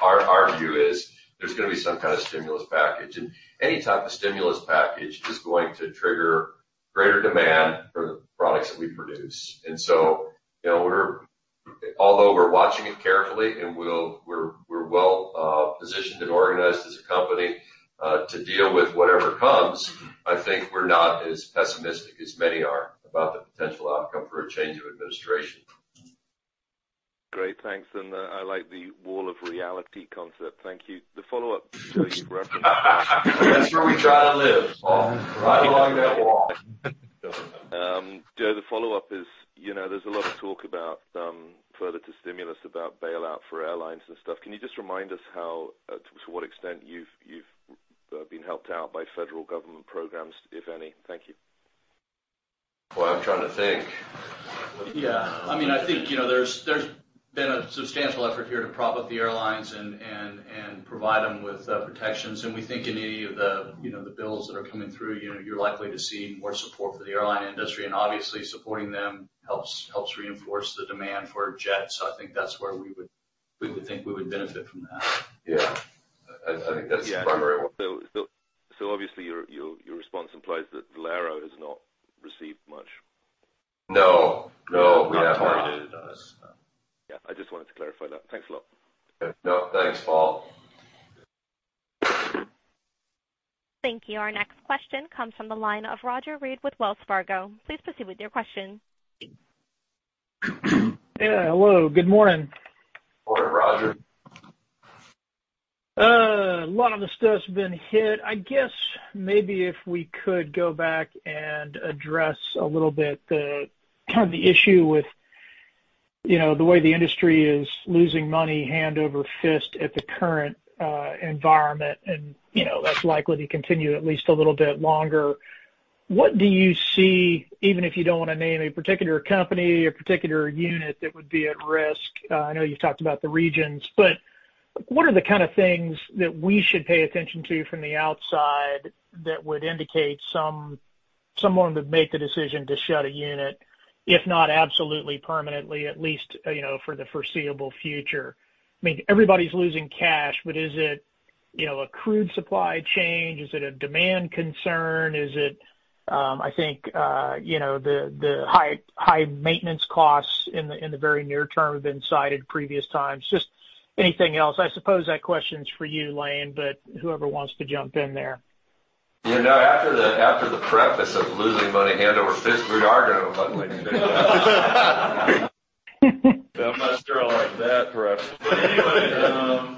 our view is there's gonna be some kind of stimulus package. Any type of stimulus package is going to trigger greater demand for the products that we produce. Although we're watching it carefully, and we're well positioned and organized as a company to deal with whatever comes, I think we're not as pessimistic as many are about the potential outcome for a change of administration.
Great. Thanks. I like the wall of reality concept. Thank you. The follow-up to your reference-
That's where we try to live. Right along that wall.
Joe, the follow-up is, there's a lot of talk about, further to stimulus, about bailout for airlines and stuff. Can you just remind us to what extent you've been helped out by federal government programs, if any? Thank you.
Boy, I'm trying to think.
Yeah. I think there's been a substantial effort here to prop up the airlines and provide them with protections. We think in any of the bills that are coming through, you're likely to see more support for the airline industry. Obviously, supporting them helps reinforce the demand for jets. I think that's where we would think we would benefit from that.
Yeah. I think that's the primary one.
Obviously, your response implies that Valero has not received much.
No. We have not.
Not targeted on us, no.
Yeah. I just wanted to clarify that. Thanks a lot.
No. Thanks, Paul.
Thank you. Our next question comes from the line of Roger Read with Wells Fargo. Please proceed with your question.
Yeah. Hello. Good morning.
Morning, Roger.
A lot of the stuff's been hit. I guess maybe if we could go back and address a little bit the issue with the way the industry is losing money hand over fist at the current environment and that's likely to continue at least a little bit longer. What do you see, even if you don't want to name a particular company or particular unit that would be at risk? I know you've talked about the regions, what are the kind of things that we should pay attention to from the outside that would indicate someone would make the decision to shut a unit, if not absolutely permanently, at least for the foreseeable future? Everybody's losing cash, is it a crude supply change? Is it a demand concern? Is it the high maintenance costs in the very near term have been cited previous times? Just anything else. I suppose that question's for you, Lane, whoever wants to jump in there.
After the preface of losing money hand over fist, we are going to.
I'm not sure I like that preface. Anyway.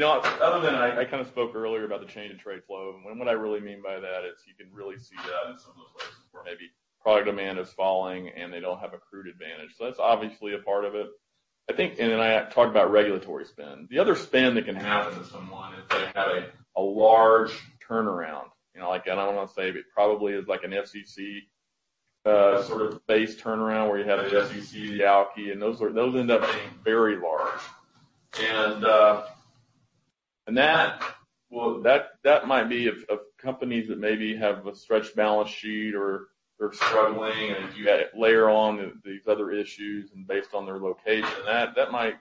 Other than I kind of spoke earlier about the change in trade flow, and what I really mean by that is you can really see that in some of those places where maybe product demand is falling, and they don't have a crude advantage. That's obviously a part of it. I talked about regulatory spend. The other spend that can happen to someone is they have a large turnaround. I don't want to say, but it probably is like an FCC sort of base turnaround where you have FCC, coker. Those end up being very large. That might be of companies that maybe have a stretched balance sheet or they're struggling, and you layer on these other issues and based on their location. That might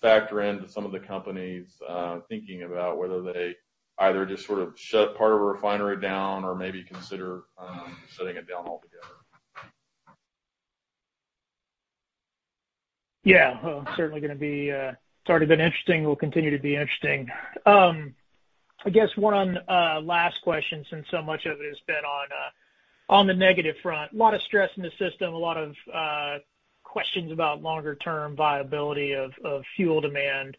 factor into some of the companies thinking about whether they either just sort of shut part of a refinery down or maybe consider shutting it down altogether.
Yeah. It's already been interesting, will continue to be interesting. I guess one last question, since so much of it has been on the negative front. A lot of stress in the system, a lot of questions about longer-term viability of fuel demand.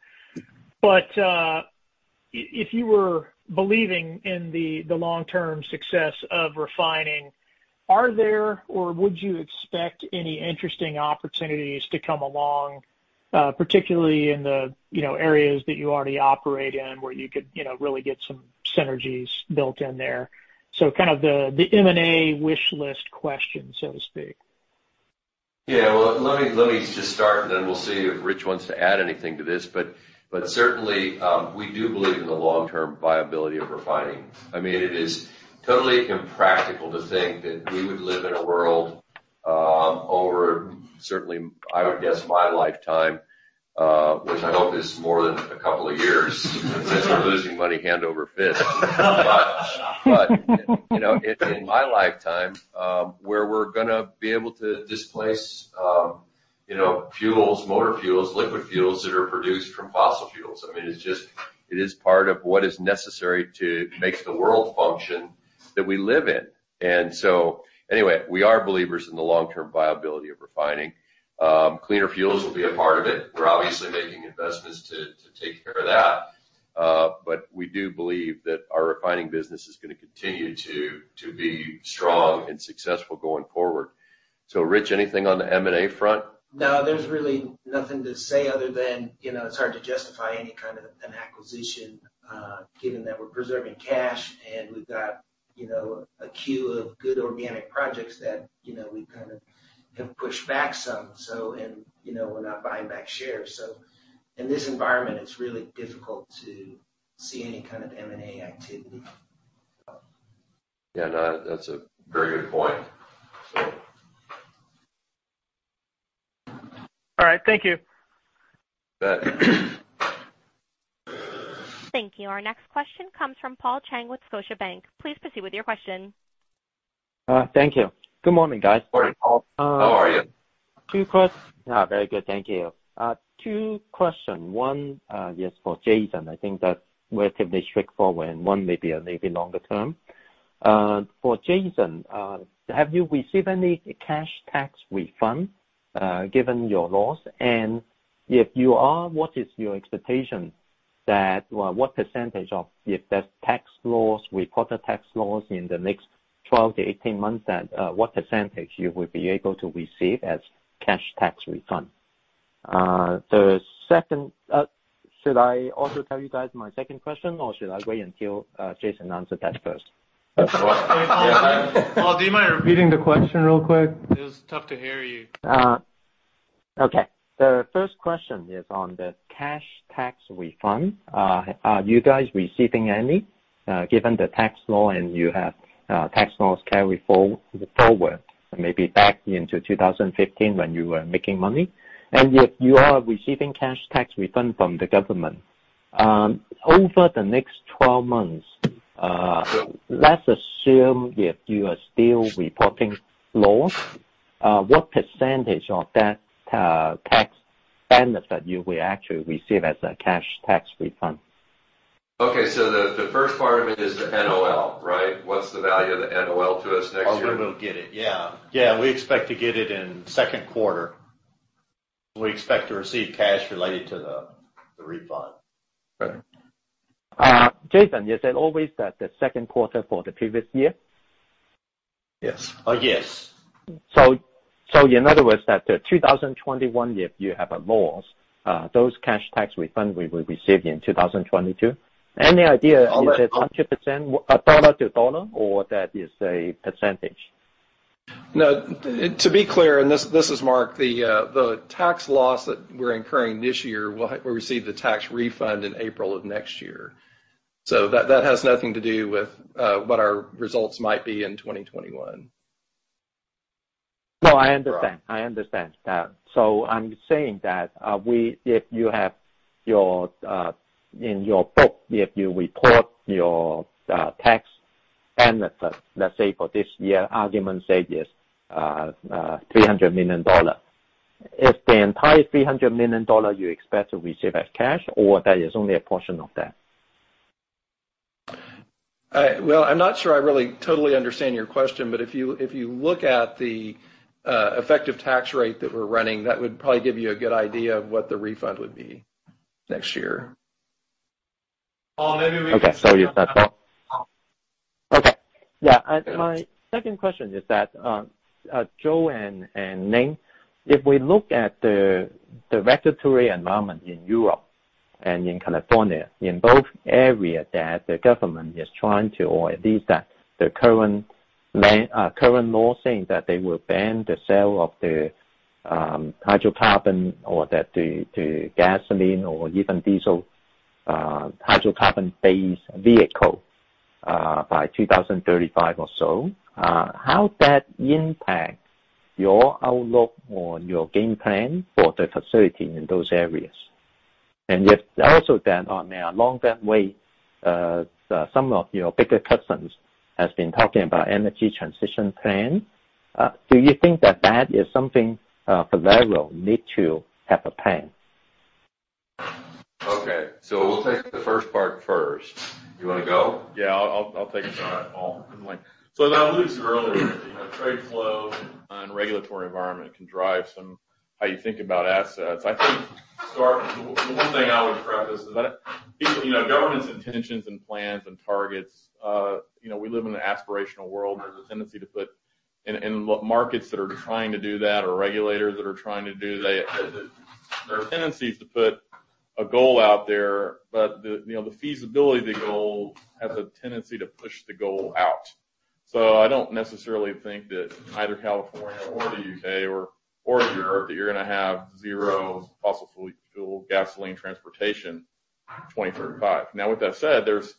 If you were believing in the long-term success of refining, are there or would you expect any interesting opportunities to come along? Particularly in the areas that you already operate in where you could really get some synergies built in there. Kind of the M&A wish list question, so to speak.
Yeah. Let me just start. We'll see if Rich wants to add anything to this. Certainly, we do believe in the long-term viability of refining. It is totally impractical to think that we would live in a world over certainly, I would guess my lifetime, which I hope is more than two years. Since we're losing money hand over fist. In my lifetime, where we're going to be able to displace fuels, motor fuels, liquid fuels that are produced from fossil fuels. It is part of what is necessary to make the world function that we live in. Anyway, we are believers in the long-term viability of refining. Cleaner fuels will be a part of it. We're obviously making investments to take care of that. We do believe that our refining business is going to continue to be strong and successful going forward. Rich, anything on the M&A front?
No, there's really nothing to say other than it's hard to justify any kind of an acquisition given that we're preserving cash and we've got a queue of good organic projects that we kind of have pushed back some. We're not buying back shares. In this environment, it's really difficult to see any kind of M&A activity.
Yeah. That's a very good point.
All right. Thank you.
You bet.
Thank you. Our next question comes from Paul Cheng with Scotiabank. Please proceed with your question.
Thank you. Good morning, guys.
Morning, Paul. How are you?
Very good, thank you. Two question. One is for Jason. I think that's relatively straightforward, and one may be a maybe longer term. For Jason, have you received any cash tax refund, given your loss? If you are, what is your expectation that, well, what percentage of, if there's tax loss, we call the tax loss in the next 12 to 18 months, then what percentage you would be able to receive as cash tax refund? Should I also tell you guys my second question, or should I wait until Jason answer that first?
Paul, do you mind repeating the question real quick? It was tough to hear you.
Okay. The first question is on the cash tax refund. Are you guys receiving any, given the tax loss and you have tax loss carry forward, maybe back into 2015 when you were making money? If you are receiving cash tax refund from the government, over the next 12 months, let's assume if you are still reporting loss, what percentage of that tax benefit you will actually receive as a cash tax refund?
Okay. The first part of it is the NOL, right? What's the value of the NOL to us next year?
We will get it. Yeah, we expect to get it in second quarter. We expect to receive cash related to the refund.
Right.
Jason, is it always that the second quarter for the previous year?
Yes.
Yes.
In other words, that the 2021 year, if you have a loss, those cash tax refund we will receive in 2022. Any idea-
On the-
Is it 100%, $ to $, or that is a percentage?
No, to be clear, and this is Mark, the tax loss that we're incurring this year, we'll receive the tax refund in April of next year. That has nothing to do with what our results might be in 2021.
I understand. I understand. I'm saying that if you have your, in your book, if you report your tax benefit, let's say for this year, argument sake is $300 million. Is the entire $300 million you expect to receive as cash, or that is only a portion of that?
Well, I'm not sure I really totally understand your question, if you look at the effective tax rate that we're running, that would probably give you a good idea of what the refund would be next year.
Paul, maybe we can-
Okay. You said that Okay. Yeah. My second question is that, Joe and Lane, if we look at the regulatory environment in Europe and in California, in both areas that the government is trying to, or at least that the current law saying that they will ban the sale of the hydrocarbon or the gasoline or even diesel hydrocarbon-based vehicle by 2035 or so. How that impact your outlook or your game plan for the facility in those areas? If also on a longer wait, some of your bigger customers has been talking about energy transition plan. Do you think that that is something Valero need to have a plan?
Okay. We'll take the first part first. You wanna go?
Yeah, I'll take a shot, Paul. As I alluded to earlier, trade flow and regulatory environment can drive some how you think about assets. I think to start with, one thing I would preface is that government's intentions and plans and targets, we live in an aspirational world. There's a tendency to put in markets that are trying to do that or regulators that are trying to do that, there are tendencies to put a goal out there. The feasibility of the goal has a tendency to push the goal out. I don't necessarily think that either California or the U.K. or Europe, that you're gonna have zero fossil fuel gasoline transportation in 2035. Now with that said, there's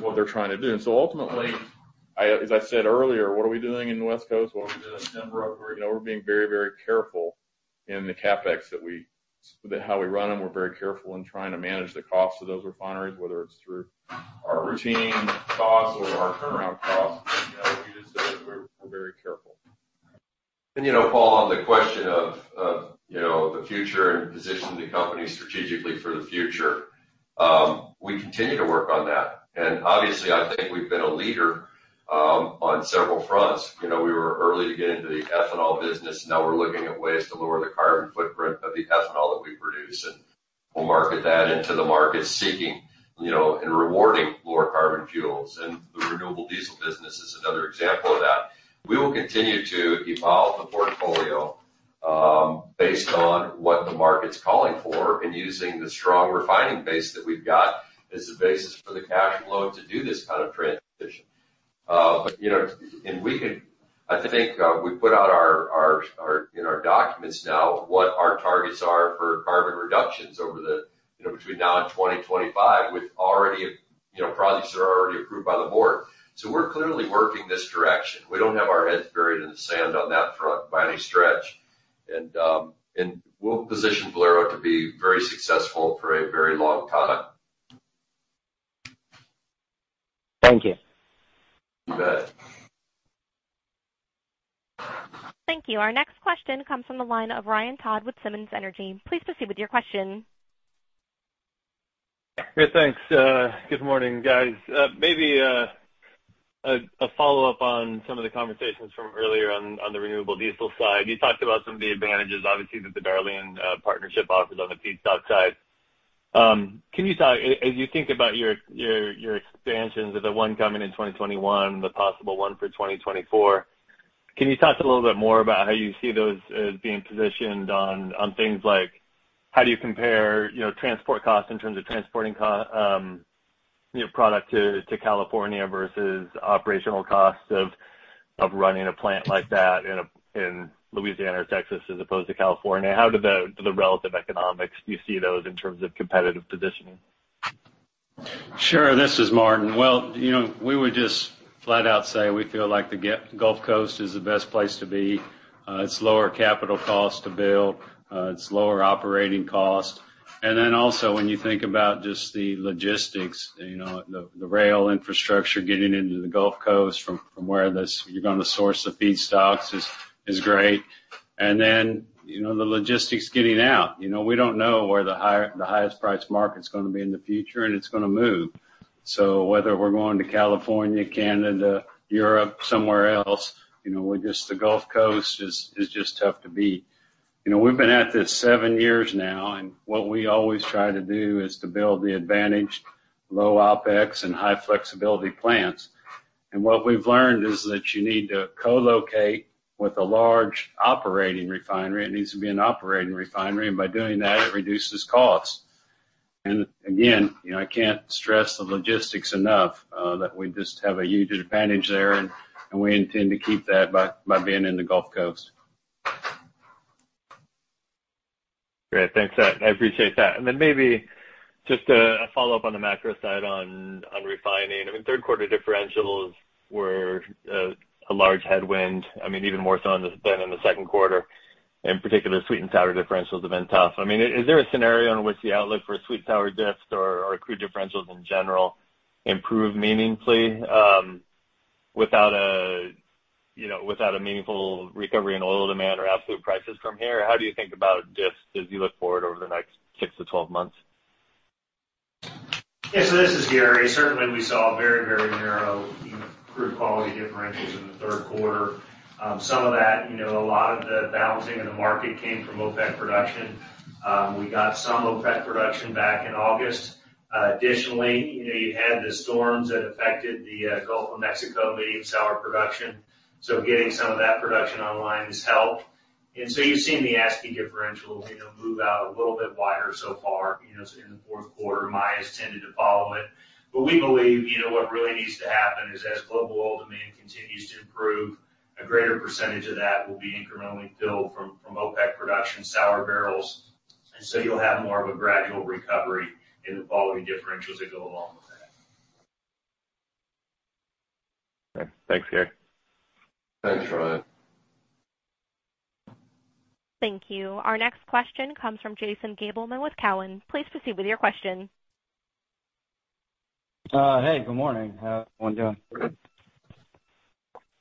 what they're trying to do. Ultimately, as I said earlier, what are we doing in the West Coast? What we did in Denver? We're being very careful in the CapEx how we run them. We're very careful in trying to manage the cost of those refineries, whether it's through our routine costs or our turnaround costs. We just said that we're very careful.
Paul, on the question of the future and positioning the company strategically for the future, we continue to work on that. Obviously, I think we've been a leader on several fronts. We were early to get into the ethanol business. Now we're looking at ways to lower the carbon footprint of the ethanol that we produce, and we'll market that into the market seeking and rewarding lower carbon fuels. The renewable diesel business is another example of that. We will continue to evolve the portfolio, based on what the market's calling for and using the strong refining base that we've got as the basis for the cash flow to do this kind of transition. I think we put out in our documents now what our targets are for carbon reductions over the, between now and 2025 with already, projects that are already approved by the board. We're clearly working this direction. We don't have our heads buried in the sand on that front by any stretch. We'll position Valero to be very successful for a very long time.
Thank you.
You bet.
Thank you. Our next question comes from the line of Ryan Todd with Simmons Energy. Please proceed with your question.
Yeah, thanks. Good morning, guys. Maybe a follow-up on some of the conversations from earlier on the renewable diesel side. You talked about some of the advantages, obviously that the Darling partnership offers on the feedstock side. As you think about your expansions with the one coming in 2021, the possible one for 2024, can you talk a little bit more about how you see those as being positioned on things like how do you compare transport costs in terms of transporting your product to California versus operational costs of running a plant like that in Louisiana or Texas as opposed to California? How do the relative economics, do you see those in terms of competitive positioning?
Sure. This is Martin. Well, we would just flat out say we feel like the Gulf Coast is the best place to be. It's lower capital cost to build. It's lower operating cost. Also when you think about just the logistics, the rail infrastructure getting into the Gulf Coast from where you're going to source the feedstocks is great. The logistics getting out. We don't know where the highest price market's going to be in the future, and it's going to move. Whether we're going to California, Canada, Europe, somewhere else, the Gulf Coast is just tough to beat. We've been at this seven years now, and what we always try to do is to build the advantaged low OpEx and high flexibility plants. What we've learned is that you need to co-locate with a large operating refinery. It needs to be an operating refinery, and by doing that, it reduces costs. Again, I can't stress the logistics enough that we just have a huge advantage there, and we intend to keep that by being in the Gulf Coast.
Great. Thanks. I appreciate that. Maybe just a follow-up on the macro side on refining. I mean, third quarter differentials were a large headwind. I mean, even more so than in the second quarter, in particular, sweet and sour differentials have been tough. I mean, is there a scenario in which the outlook for sweet sour diffs or crude differentials in general improve meaningfully without a meaningful recovery in oil demand or absolute prices from here? How do you think about diffs as you look forward over the next six to 12 months?
This is Gary. Certainly, we saw very, very narrow crude quality differentials in the third quarter. Some of that, a lot of the balancing in the market came from OPEC production. We got some OPEC production back in August. Additionally, you had the storms that affected the Gulf of Mexico medium sour production. Getting some of that production online has helped. You've seen the ASCI differential move out a little bit wider so far in the fourth quarter. Mars tended to follow it. We believe what really needs to happen is as global oil demand continues to improve, a greater percentage of that will be incrementally filled from OPEC production sour barrels. You'll have more of a gradual recovery in the following differentials that go along with that.
Thanks, Gary.
Thanks, Ryan.
Thank you. Our next question comes from Jason Gabelman with Cowen. Please proceed with your question.
Hey, good morning. How's everyone doing?
Good.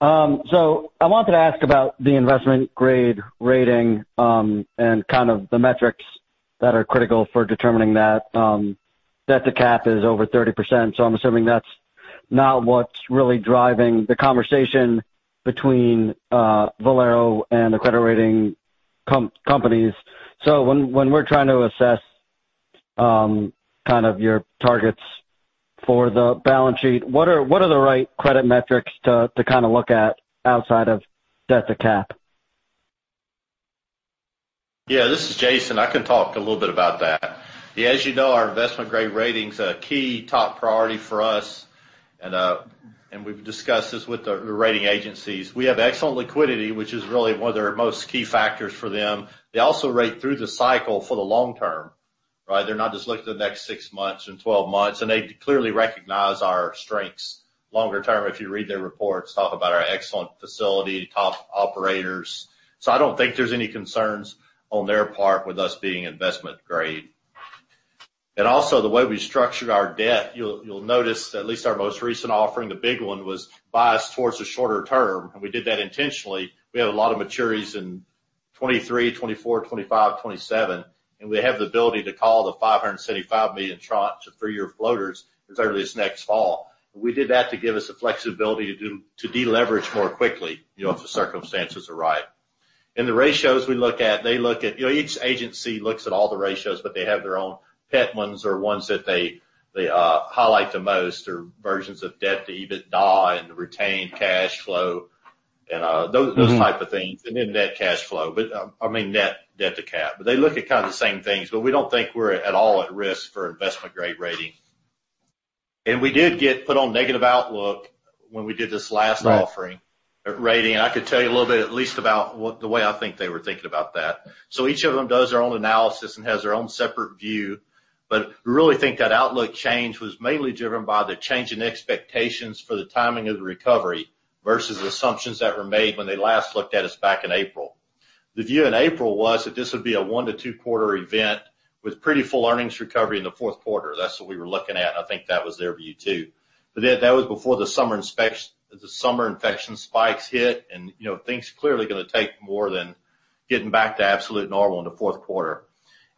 I wanted to ask about the investment grade rating, and kind of the metrics that are critical for determining that. Debt to cap is over 30%, so I'm assuming that's not what's really driving the conversation between Valero and the credit rating companies. When we're trying to assess kind of your targets for the balance sheet, what are the right credit metrics to kind of look at outside of debt to cap?
Yeah, this is Jason. I can talk a little bit about that. As you know, our investment grade rating is a key top priority for us, we've discussed this with the rating agencies. We have excellent liquidity, which is really one of their most key factors for them. They also rate through the cycle for the long term, right? They're not just looking at the next 6 months and 12 months, they clearly recognize our strengths longer term, if you read their reports, talk about our excellent facility, top operators. I don't think there's any concerns on their part with us being investment grade. Also the way we structured our debt, you'll notice at least our most recent offering, the big one, was biased towards the shorter term, and we did that intentionally. We had a lot of maturities in 2023, 2024, 2025, 2027, and we have the ability to call the $575 million tranche of three-year floaters as early as next fall. We did that to give us the flexibility to deleverage more quickly if the circumstances arise. The ratios we look at, each agency looks at all the ratios, but they have their own pet ones or ones that they highlight the most, or versions of debt to EBITDA and retained cash flow, and those type of things. Then net cash flow. I mean, net debt to cap. They look at kind of the same things, but we don't think we're at all at risk for investment-grade rating. We did get put on negative outlook when we did this last offering of rating. I could tell you a little bit at least about the way I think they were thinking about that. Each of them does their own analysis and has their own separate view, we really think that outlook change was mainly driven by the change in expectations for the timing of the recovery versus the assumptions that were made when they last looked at us back in April. The view in April was that this would be a one to two quarter event with pretty full earnings recovery in the fourth quarter. That's what we were looking at. I think that was their view, too. That was before the summer infection spikes hit and things clearly are going to take more than getting back to absolute normal in the fourth quarter.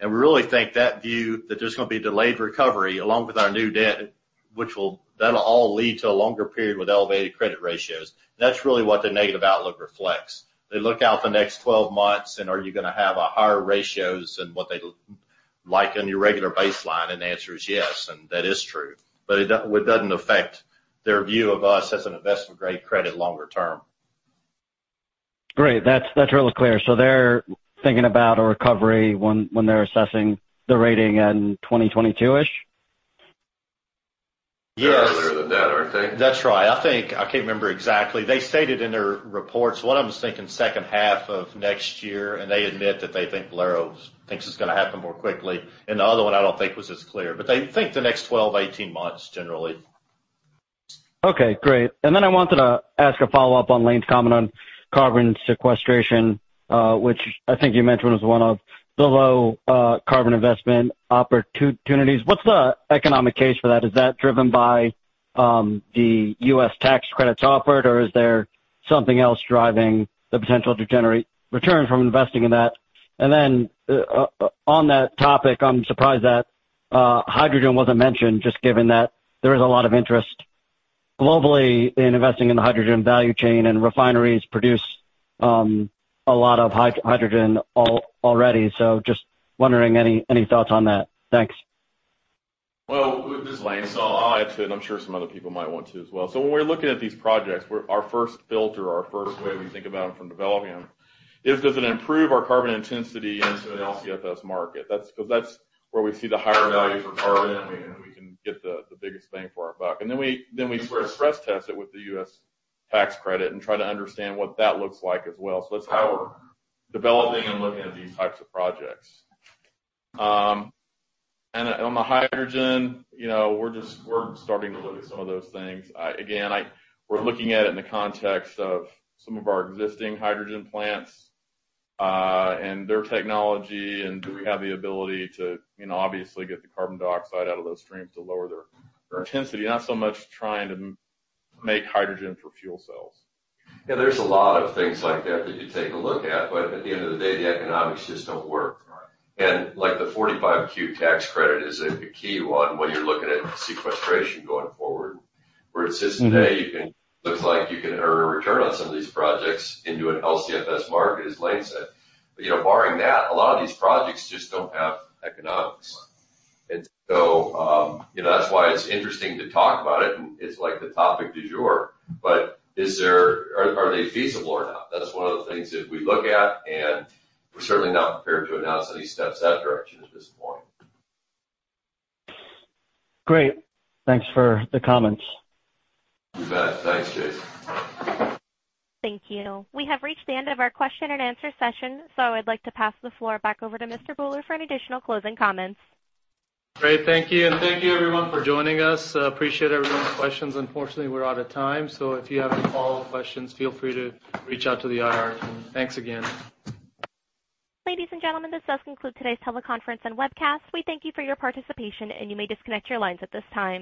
We really think that view that there's going to be delayed recovery along with our new debt, that'll all lead to a longer period with elevated credit ratios. That's really what the negative outlook reflects. They look out the next 12 months and are you going to have higher ratios than what they like in your regular baseline? The answer is yes. That is true, it doesn't affect their view of us as an investment-grade credit longer term.
Great. That's really clear. They're thinking about a recovery when they're assessing the rating in 2022-ish?
Yes. They're earlier than that, aren't they?
That's right. I think, I can't remember exactly. They stated in their reports, one of them is thinking second half of next year, and they admit that they think Valero thinks it's going to happen more quickly. The other one I don't think was as clear. They think the next 12, 18 months, generally.
Okay, great. I wanted to ask a follow-up on Lane's comment on carbon sequestration, which I think you mentioned was one of the low carbon investment opportunities. What's the economic case for that? Is that driven by the U.S. tax credits offered or is there something else driving the potential to generate return from investing in that? On that topic, I'm surprised that hydrogen wasn't mentioned, just given that there is a lot of interest globally in investing in the hydrogen value chain and refineries produce a lot of hydrogen already. Just wondering, any thoughts on that? Thanks.
Well, this is Lane. I'll answer it, and I'm sure some other people might want to as well. When we're looking at these projects, our first filter, our first way we think about them from developing them is does it improve our Carbon Intensity into an LCFS market? Because that's where we see the higher value for carbon, and we can get the biggest bang for our buck. We stress test it with the U.S. tax credit and try to understand what that looks like as well. That's how we're developing and looking at these types of projects. On the hydrogen, we're starting to look at some of those things. Again, we're looking at it in the context of some of our existing hydrogen plants, and their technology, and do we have the ability to obviously get the carbon dioxide out of those streams to lower their intensity. Not so much trying to make hydrogen for fuel cells.
Yeah, there's a lot of things like that you take a look at, but at the end of the day, the economics just don't work. Like the 45Q tax credit is a key one when you're looking at sequestration going forward, where it's just today, it looks like you can earn a return on some of these projects into an LCFS market, as Lane said. Barring that, a lot of these projects just don't have economics. That's why it's interesting to talk about it, and it's like the topic du jour. Are they feasible or not? That's one of the things that we look at, and we're certainly not prepared to announce any steps in that direction at this point.
Great. Thanks for the comments.
You bet. Thanks, Jason.
Thank you. We have reached the end of our question and answer session, I'd like to pass the floor back over to Mr. Bhullar for any additional closing comments.
Great. Thank you, and thank you, everyone, for joining us. Appreciate everyone's questions. Unfortunately, we're out of time, so if you have any follow-up questions, feel free to reach out to the IR team. Thanks again.
Ladies and gentlemen, this does conclude today's teleconference and webcast. We thank you for your participation, and you may disconnect your lines at this time.